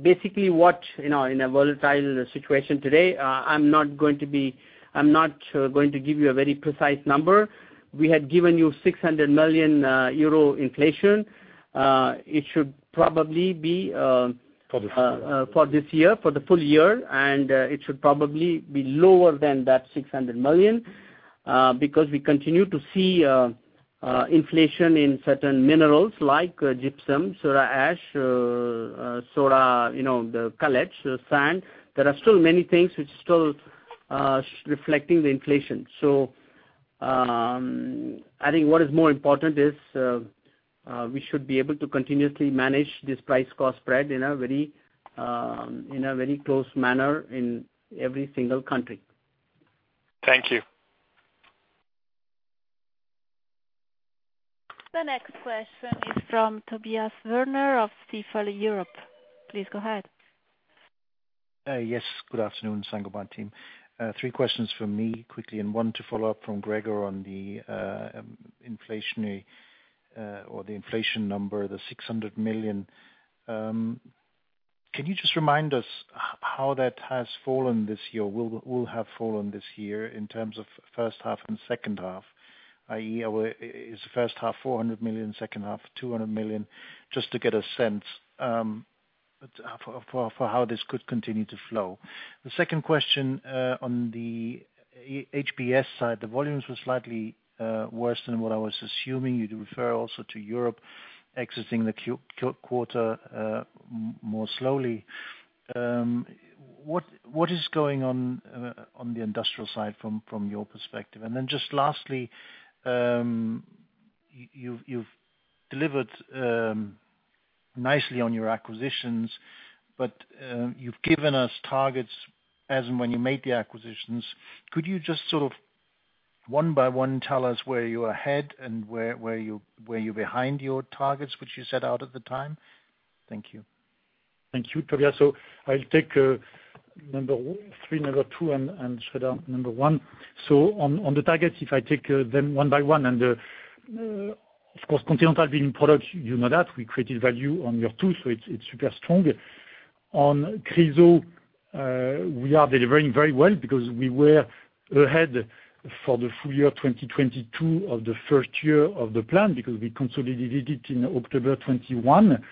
Basically, what, you know, in a volatile situation today, I'm not going to be- I'm not going to give you a very precise number. We had given you 600 million euro inflation. It should probably be, um- For this year. For this year, for the full year, and it should probably be lower than that 600 million, because we continue to see inflation in certain minerals like gypsum, soda ash, soda, you know, the cullets, the sand. There are still many things which still reflecting the inflation. So, I think what is more important is we should be able to continuously manage this price-cost spread in a very, in a very close manner in every single country. Thank you. The next question is from Tobias Woerner of Stifel Europe. Please go ahead. Yes. Good afternoon, Saint-Gobain team. Three questions from me quickly, and one to follow up from Gregor on the inflationary, or the inflation number, the 600 million. Can you just remind us how that has fallen this year, will have fallen this year in terms of first half and second half, i.e., is the first half 400 million, second half 200 million? Just to get a sense, for how this could continue to flow. The second question, on the HBS side, the volumes were slightly worse than what I was assuming. You'd refer also to Europe exiting the quarter more slowly. What is going on, on the industrial side from your perspective? Just lastly, you've delivered nicely on your acquisitions, but you've given us targets as and when you made the acquisitions. Could you just sort of one by one tell us where you're ahead and where you're behind your targets, which you set out at the time? Thank you. Thank you, Tobias. I'll take number three, number two, and sort of number one. On the targets, if I take them one by one, of course, Continental Building Products, you know that we created value on year two, so it's super strong. On CHRYSO, we are delivering very well because we were ahead for the full year 2022 of the first year of the plan, because we consolidated in October 2021.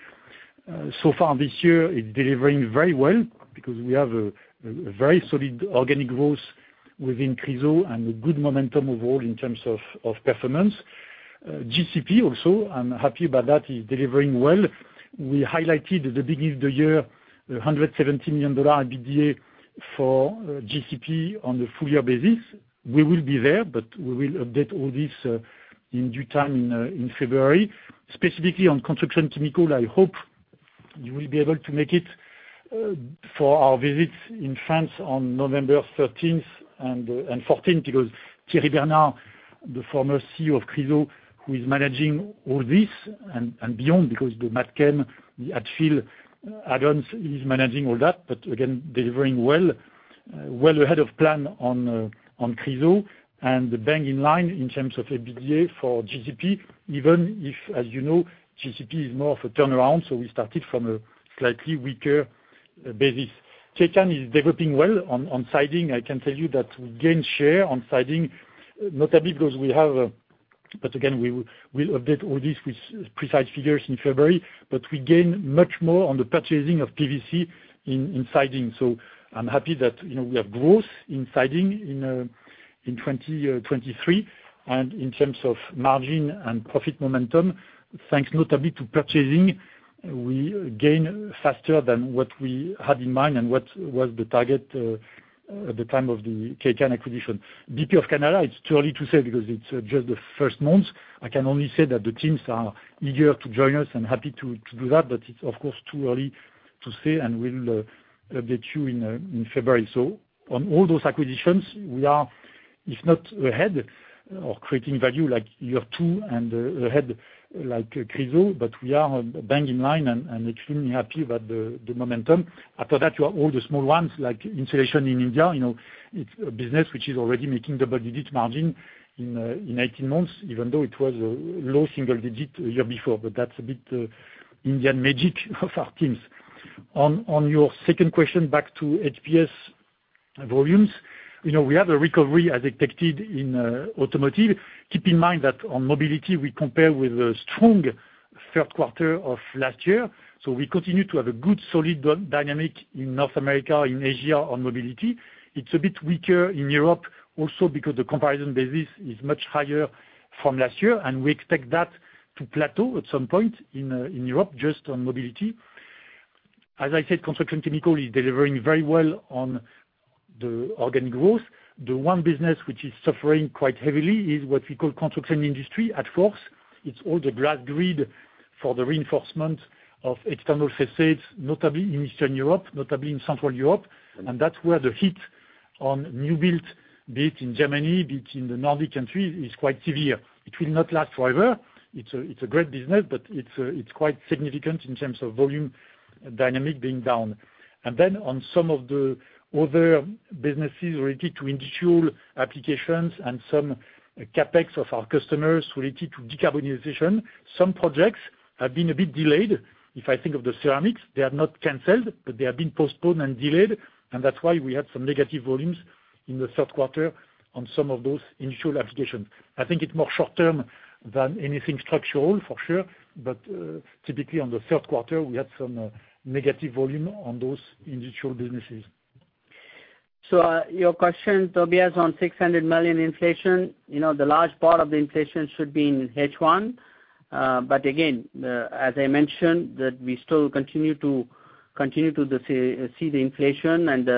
So far this year, it's delivering very well because we have a very solid organic growth within CHRYSO and a good momentum overall in terms of performance. GCP also, I'm happy about that, is delivering well. We highlighted at the beginning of the year, $170 million EBITDA for GCP on the full year basis. We will be there, but we will update all this in due time, in February. Specifically on Construction Chemical, I hope you will be able to make it for our visit in France on November thirteenth and fourteenth, because Thierry Bernard, the former CEO of CHRYSO, who is managing all this and beyond, because the Matchem, the Adfil, and others, he's managing all that, but again, delivering well ahead of plan on CHRYSO and bang in line in terms of EBITDA for GCP, even if, as you know, GCP is more of a turnaround, so we started from a slightly weaker basis. Kaycan is developing well. On siding, I can tell you that we gain share on siding, notably because we have, but again, we will, we'll update all this with precise figures in February. But we gain much more on the purchasing of PVC in siding. So I'm happy that, you know, we have growth in siding in 2023. And in terms of margin and profit momentum, thanks notably to purchasing, we gain faster than what we had in mind and what was the target at the time of the Kaycan acquisition. Building Products of Canada, it's too early to say because it's just the first month. I can only say that the teams are eager to join us and happy to do that, but it's, of course, too early to say, and we'll update you in February. So on all those acquisitions, we are, if not ahead or creating value, like year two and ahead, like CHRYSO, but we are bang in line and extremely happy about the momentum. After that, you have all the small ones, like insulation in India, you know, it's a business which is already making double-digit margin in 18 months, even though it was a low single digit year before, but that's a bit Indian magic of our teams. On your second question, back to HPS volumes, you know, we have a recovery, as expected, in automotive. Keep in mind that on mobility, we compare with a strong third quarter of last year, so we continue to have a good, solid dynamic in North America, in Asia, on mobility. It's a bit weaker in Europe, also, because the comparison basis is much higher from last year, and we expect that to plateau at some point in Europe, just on mobility. As I said, Construction Chemical is delivering very well on the organic growth. The one business which is suffering quite heavily is what we call construction industry, Adfors. It's all the GlasGrid for the reinforcement of external facades, notably in Eastern Europe, notably in Central Europe. That's where the hit on new build, be it in Germany, be it in the Nordic countries, is quite severe. It will not last forever. It's a great business, but it's quite significant in terms of volume dynamic being down. Then on some of the other businesses related to industrial applications and some CapEx of our customers related to decarbonization, some projects have been a bit delayed. If I think of the Ceramics, they are not canceled, but they have been postponed and delayed, and that's why we had some negative volumes in the third quarter on some of those industrial applications. I think it's more short term than anything structural, for sure, but typically on the third quarter, we had some negative volume on those industrial businesses. Your question, Tobias, on 600 million inflation, you know, the large part of the inflation should be in H1. Again, as I mentioned, we still continue to see the inflation and, you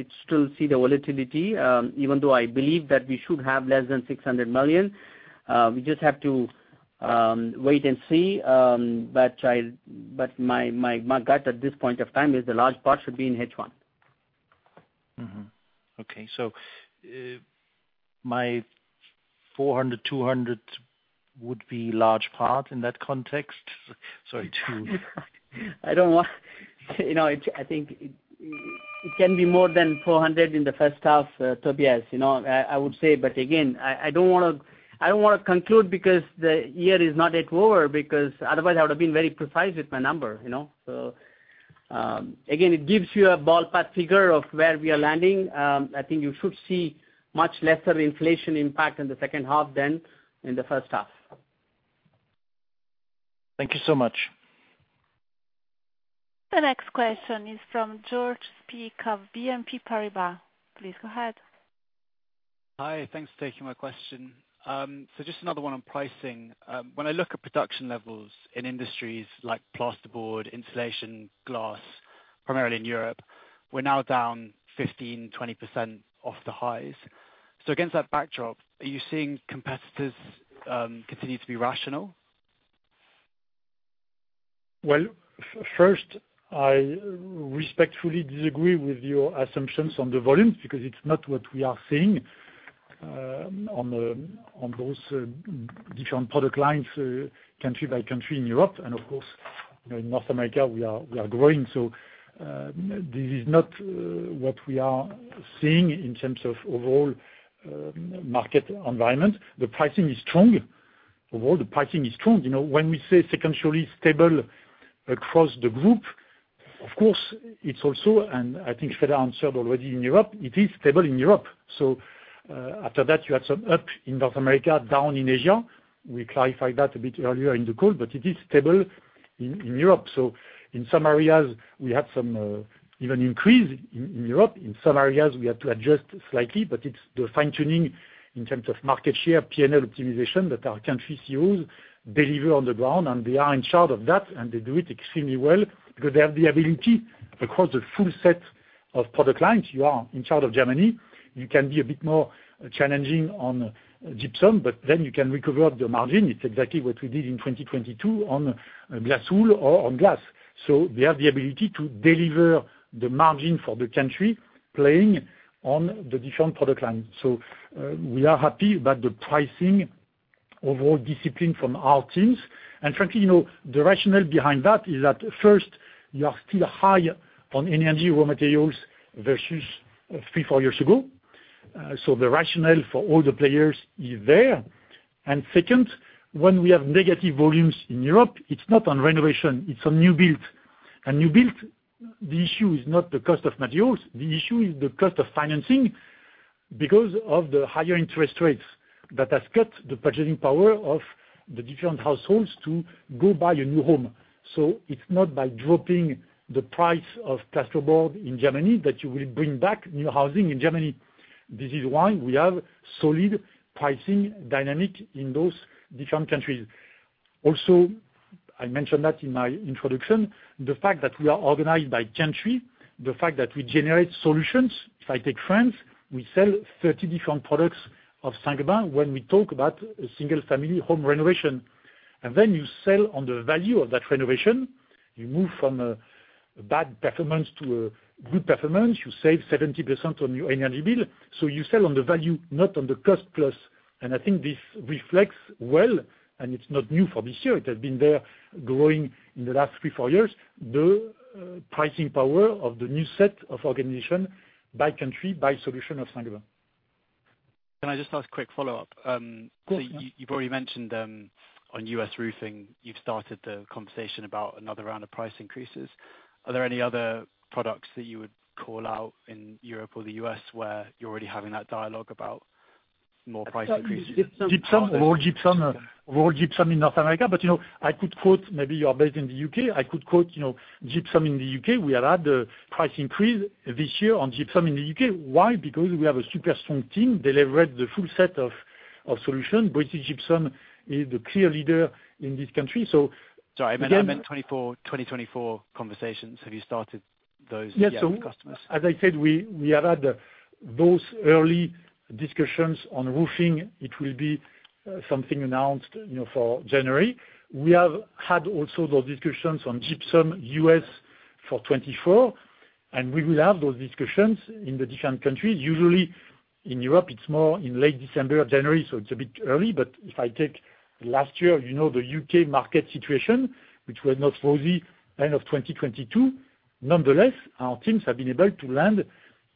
know, still see the volatility, even though I believe that we should have less than 600 million, we just have to wait and see. I, but my gut at this point of time is the large part should be in H1. Mm-hmm. Okay. So, my 400, 200 would be large part in that context? Sorry, two. I don't want... You know, it, I think it, it can be more than 400 million in the first half, Tobias, you know, I, I would say, but again, I don't wanna, I don't wanna conclude because the year is not yet over, because otherwise, I would have been very precise with my number, you know? It gives you a ballpark figure of where we are landing. I think you should see much lesser inflation impact in the second half than in the first half. Thank you so much. The next question is from George Peak of BNP Paribas. Please go ahead. Hi, thanks for taking my question. So just another one on pricing. When I look at production levels in industries like plasterboard, insulation, glass, primarily in Europe, we're now down 15%-20% off the highs. So against that backdrop, are you seeing competitors continue to be rational? Well, first, I respectfully disagree with your assumptions on the volumes, because it's not what we are seeing, on those, different product lines, country by country in Europe. Of course, you know, in North America, we are growing, so this is not what we are seeing in terms of overall, market environment. The pricing is strong. Overall, the pricing is strong. You know, when we say secondarily stable across the group, of course, it's also, and I think Screedher answered already in Europe, it is stable in Europe. After that, you had some up in North America, down in Asia. We clarified that a bit earlier in the call, but it is stable in Europe. In some areas we had some, even increase in, in Europe. In some areas we had to adjust slightly, but it's the fine-tuning in terms of market share, PNL optimization that our country CEOs deliver on the ground, and they are in charge of that, and they do it extremely well because they have the ability across the full set of product lines. You are in charge of Germany. You can be a bit more challenging on gypsum, but then you can recover up the margin. It's exactly what we did in 2022 on glass wool or on glass. So they have the ability to deliver the margin for the country, playing on the different product lines. So we are happy about the pricing overall discipline from our teams. And frankly, you know, the rationale behind that is that first, you are still high on energy, raw materials versus three, four years ago. So the rationale for all the players is there. And second, when we have negative volumes in Europe, it's not on renovation, it's on new build. And new build, the issue is not the cost of materials, the issue is the cost of financing because of the higher interest rates that has cut the purchasing power of the different households to go buy a new home. So it's not by dropping the price of plasterboard in Germany, that you will bring back new housing in Germany. This is why we have solid pricing dynamic in those different countries. Also, I mentioned that in my introduction, the fact that we are organized by country, the fact that we generate solutions. If I take France, we sell 30 different products of Saint-Gobain when we talk about a single family home renovation. When you sell on the value of that renovation, you move from a bad performance to a good performance, you save 70% on your energy bill. So you sell on the value, not on the cost plus, and I think this reflects well, and it's not new for this year. It has been there growing in the last 3-4 years, the pricing power of the new set of organization by country, by solution of Saint-Gobain. Can I just ask a quick follow-up? Of course. You've already mentioned, on U.S. Roofing, you've started the conversation about another round of price increases. Are there any other products that you would call out in Europe or the U.S. where you're already having that dialogue about more price increases? Gypsum, raw gypsum, raw gypsum in North America, but, you know, I could quote, maybe you are based in the U.K., I could quote, you know, gypsum in the U.K. We have had a price increase this year on gypsum in the U.K. Why? Because we have a super strong team leverage the full set of, of solutions. British Gypsum is the clear leader in this country, so- Sorry, I meant, I meant 24, 2024 conversations. Have you started those yet with customers? As I said, we have had those early discussions on roofing. It will be something announced, you know, for January. We have had also those discussions on gypsum, U.S. for 2024, and we will have those discussions in the different countries. Usually, in Europe, it's more in late December, January, so it's a bit early. If I take last year, you know, the U.K. market situation, which was not rosy end of 2022. Nonetheless, our teams have been able to land,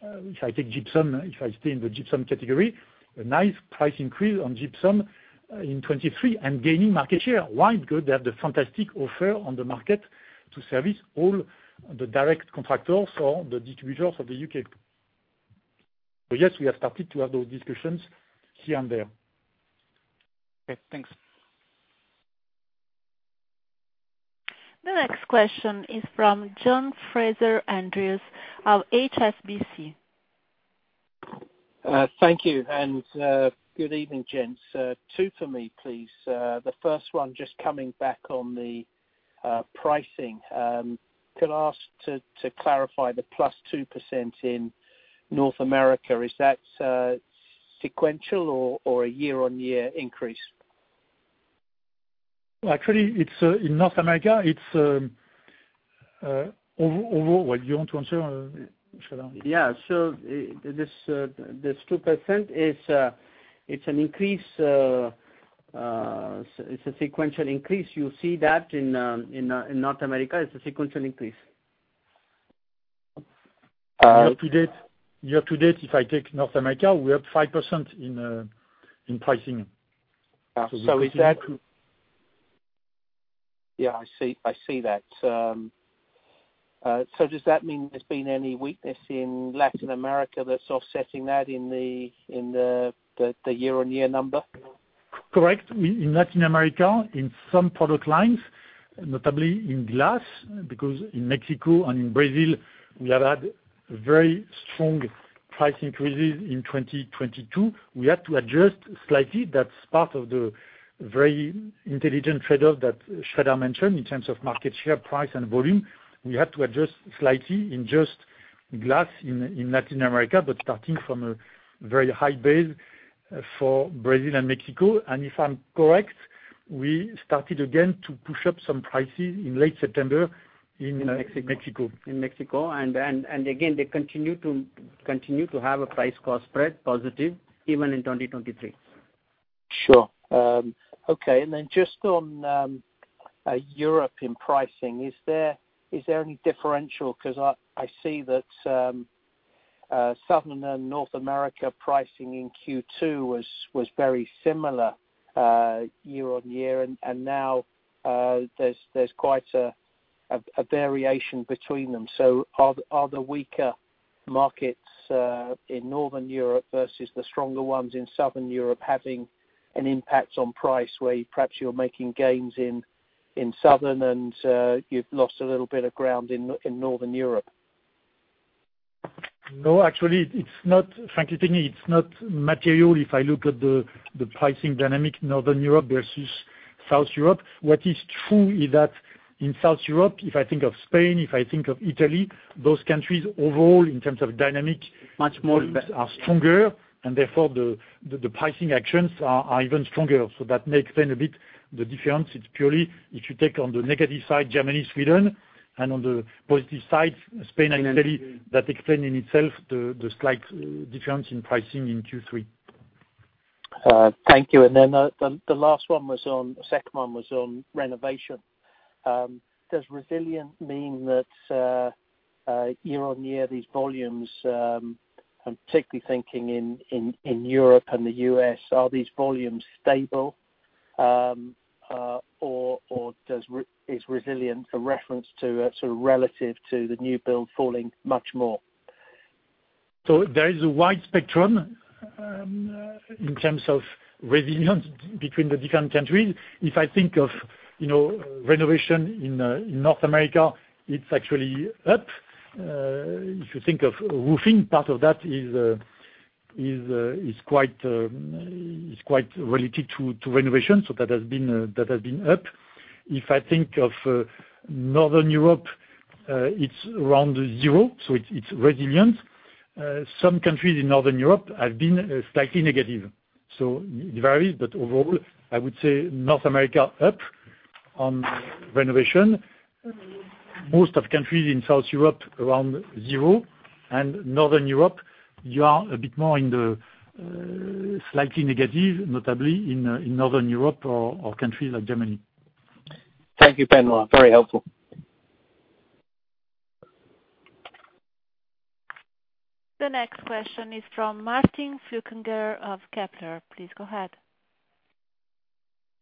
if I take gypsum, if I stay in the gypsum category, a nice price increase on gypsum in 2023 and gaining market share. Why? Because they have the fantastic offer on the market to service all the direct contractors or the distributors of the U.K. Yes, we have started to have those discussions here and there. Okay, thanks. The next question is from John Fraser-Andrews of HSBC. Thank you, and good evening, gents. Two for me, please. The first one, just coming back on the pricing. Could I ask to clarify the +2% in North America, is that sequential or a year-on-year increase? Actually, it's in North America. It's overall... Well, you want to answer, Sharon? Yeah. So, this 2% is, it's an increase, it's a sequential increase. You see that in North America, it's a sequential increase. Year to date, year to date, if I take North America, we're up 5% in pricing. So is that? Yeah, I see, I see that. So does that mean there's been any weakness in Latin America that's offsetting that in the year-on-year number? Correct. In Latin America, in some product lines, notably in glass, because in Mexico and in Brazil, we have had very strong price increases in 2022. We had to adjust slightly. That's part of the very intelligent trade-off that Sharon mentioned in terms of market share, price, and volume. We had to adjust slightly in just glass in Latin America, but starting from a very high base for Brazil and Mexico. And if I'm correct, we started again to push up some prices in late September in Mexico. In Mexico, again, they continue to have a Price-Cost Spread positive even in 2023. Sure. Okay. And then just on European pricing, is there any differential? Because I see that Southern and Northern Europe pricing in Q2 was very similar year-over-year, and now there's quite a variation between them. So are the weaker markets in Northern Europe versus the stronger ones in Southern Europe having an impact on price, where perhaps you're making gains in Southern and you've lost a little bit of ground in Northern Europe? No, actually, it's not, frankly speaking, it's not material if I look at the pricing dynamic, Northern Europe versus Southern Europe. What is true is that in Southern Europe, if I think of Spain, if I think of Italy, those countries overall, in terms of dynamic- Much more- Are stronger, and therefore the pricing actions are even stronger. So that may explain a bit the difference. It's purely if you take on the negative side, Germany, Sweden, and on the positive side, Spain and Italy, that explain in itself the slight difference in pricing in Q3. Thank you. The last one was on, second one was on renovation. Does resilient mean that year-over-year, these volumes, I'm particularly thinking in Europe and the U.S., are these volumes stable? Or is resilient a reference to sort of relative to the new build falling much more? So there is a wide spectrum in terms of resilience between the different countries. If I think of, you know, renovation in North America, it's actually up. If you think of roofing, part of that is quite related to renovation, so that has been up. If I think of Northern Europe, it's around zero, so it's resilient. Some countries in Northern Europe have been slightly negative, so it varies. But overall, I would say North America up on renovation. Most of countries in South Europe, around zero, and Northern Europe, you are a bit more in the slightly negative, notably in Northern Europe or countries like Germany. Thank you, Benoît. Very helpful. The next question is from Martin Flückiger of Kepler. Please go ahead.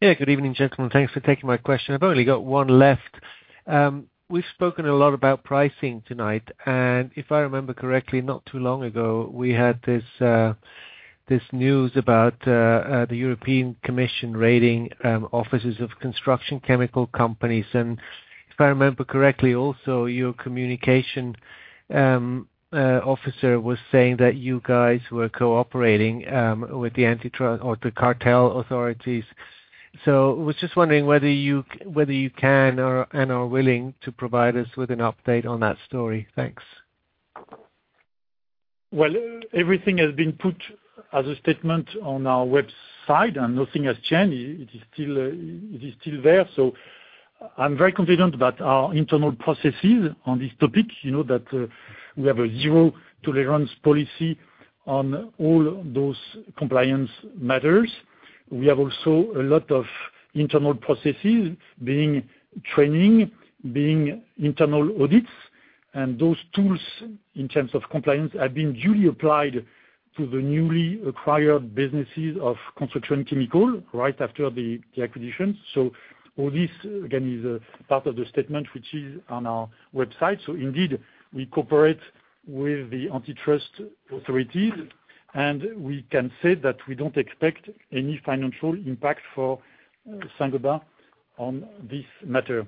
Yeah, good evening, gentlemen. Thanks for taking my question. I've only got one left. We've spoken a lot about pricing tonight, and if I remember correctly, not too long ago, we had this news about the European Commission raiding offices of construction chemical companies. And if I remember correctly, also, your communication officer was saying that you guys were cooperating with the antitrust or the cartel authorities. So was just wondering whether you can and are willing to provide us with an update on that story? Thanks. Well, everything has been put as a statement on our website, and nothing has changed. It is still, it is still there. So I'm very confident about our internal processes on this topic. You know, that, we have a zero tolerance policy on all those compliance matters. We have also a lot of internal processes, being training, being internal audits, and those tools, in terms of compliance, have been duly applied to the newly acquired businesses of construction chemical, right after the acquisition. So all this, again, is, part of the statement which is on our website. So indeed, we cooperate with the antitrust authorities, and we can say that we don't expect any financial impact for Saint-Gobain on this matter.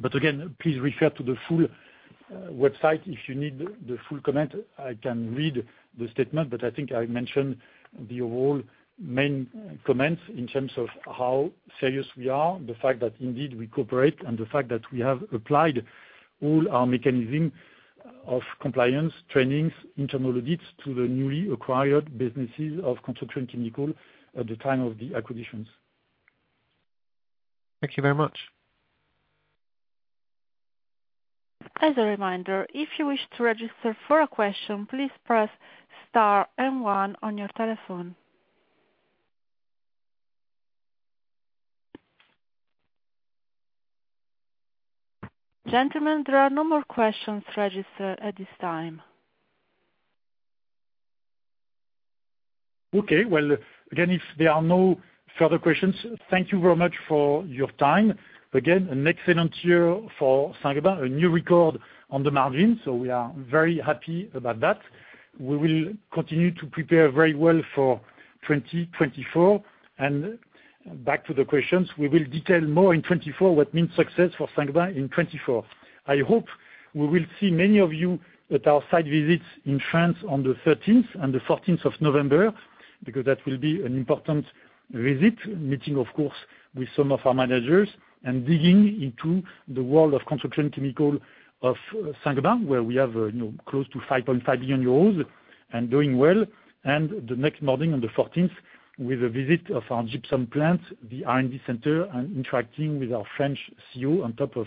But again, please refer to the full website if you need the full comment. I can read the statement, but I think I mentioned the overall main comments in terms of how serious we are, the fact that indeed we cooperate, and the fact that we have applied all our mechanism of compliance, trainings, internal audits to the newly acquired businesses of construction chemical at the time of the acquisitions. Thank you very much. As a reminder, if you wish to register for a question, please press star and one on your telephone. Gentlemen, there are no more questions registered at this time. Okay. Well, again, if there are no further questions, thank you very much for your time. Again, an excellent year for Saint-Gobain, a new record on the margin, so we are very happy about that. We will continue to prepare very well for 2024. Back to the questions, we will detail more in 2024 what means success for Saint-Gobain in 2024. I hope we will see many of you at our site visits in France on the 13th and the 14th of November, because that will be an important visit. Meeting, of course, with some of our managers, and digging into the world of construction chemicals of Saint-Gobain, where we have, you know, close to 5.5 billion euros, and doing well. The next morning on the fourteenth, with a visit of our gypsum plant, the R&D center, and interacting with our French CEO on top of,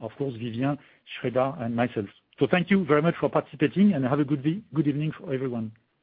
of course, Vivien, Sridhar, and myself. So thank you very much for participating, and have a good evening for everyone.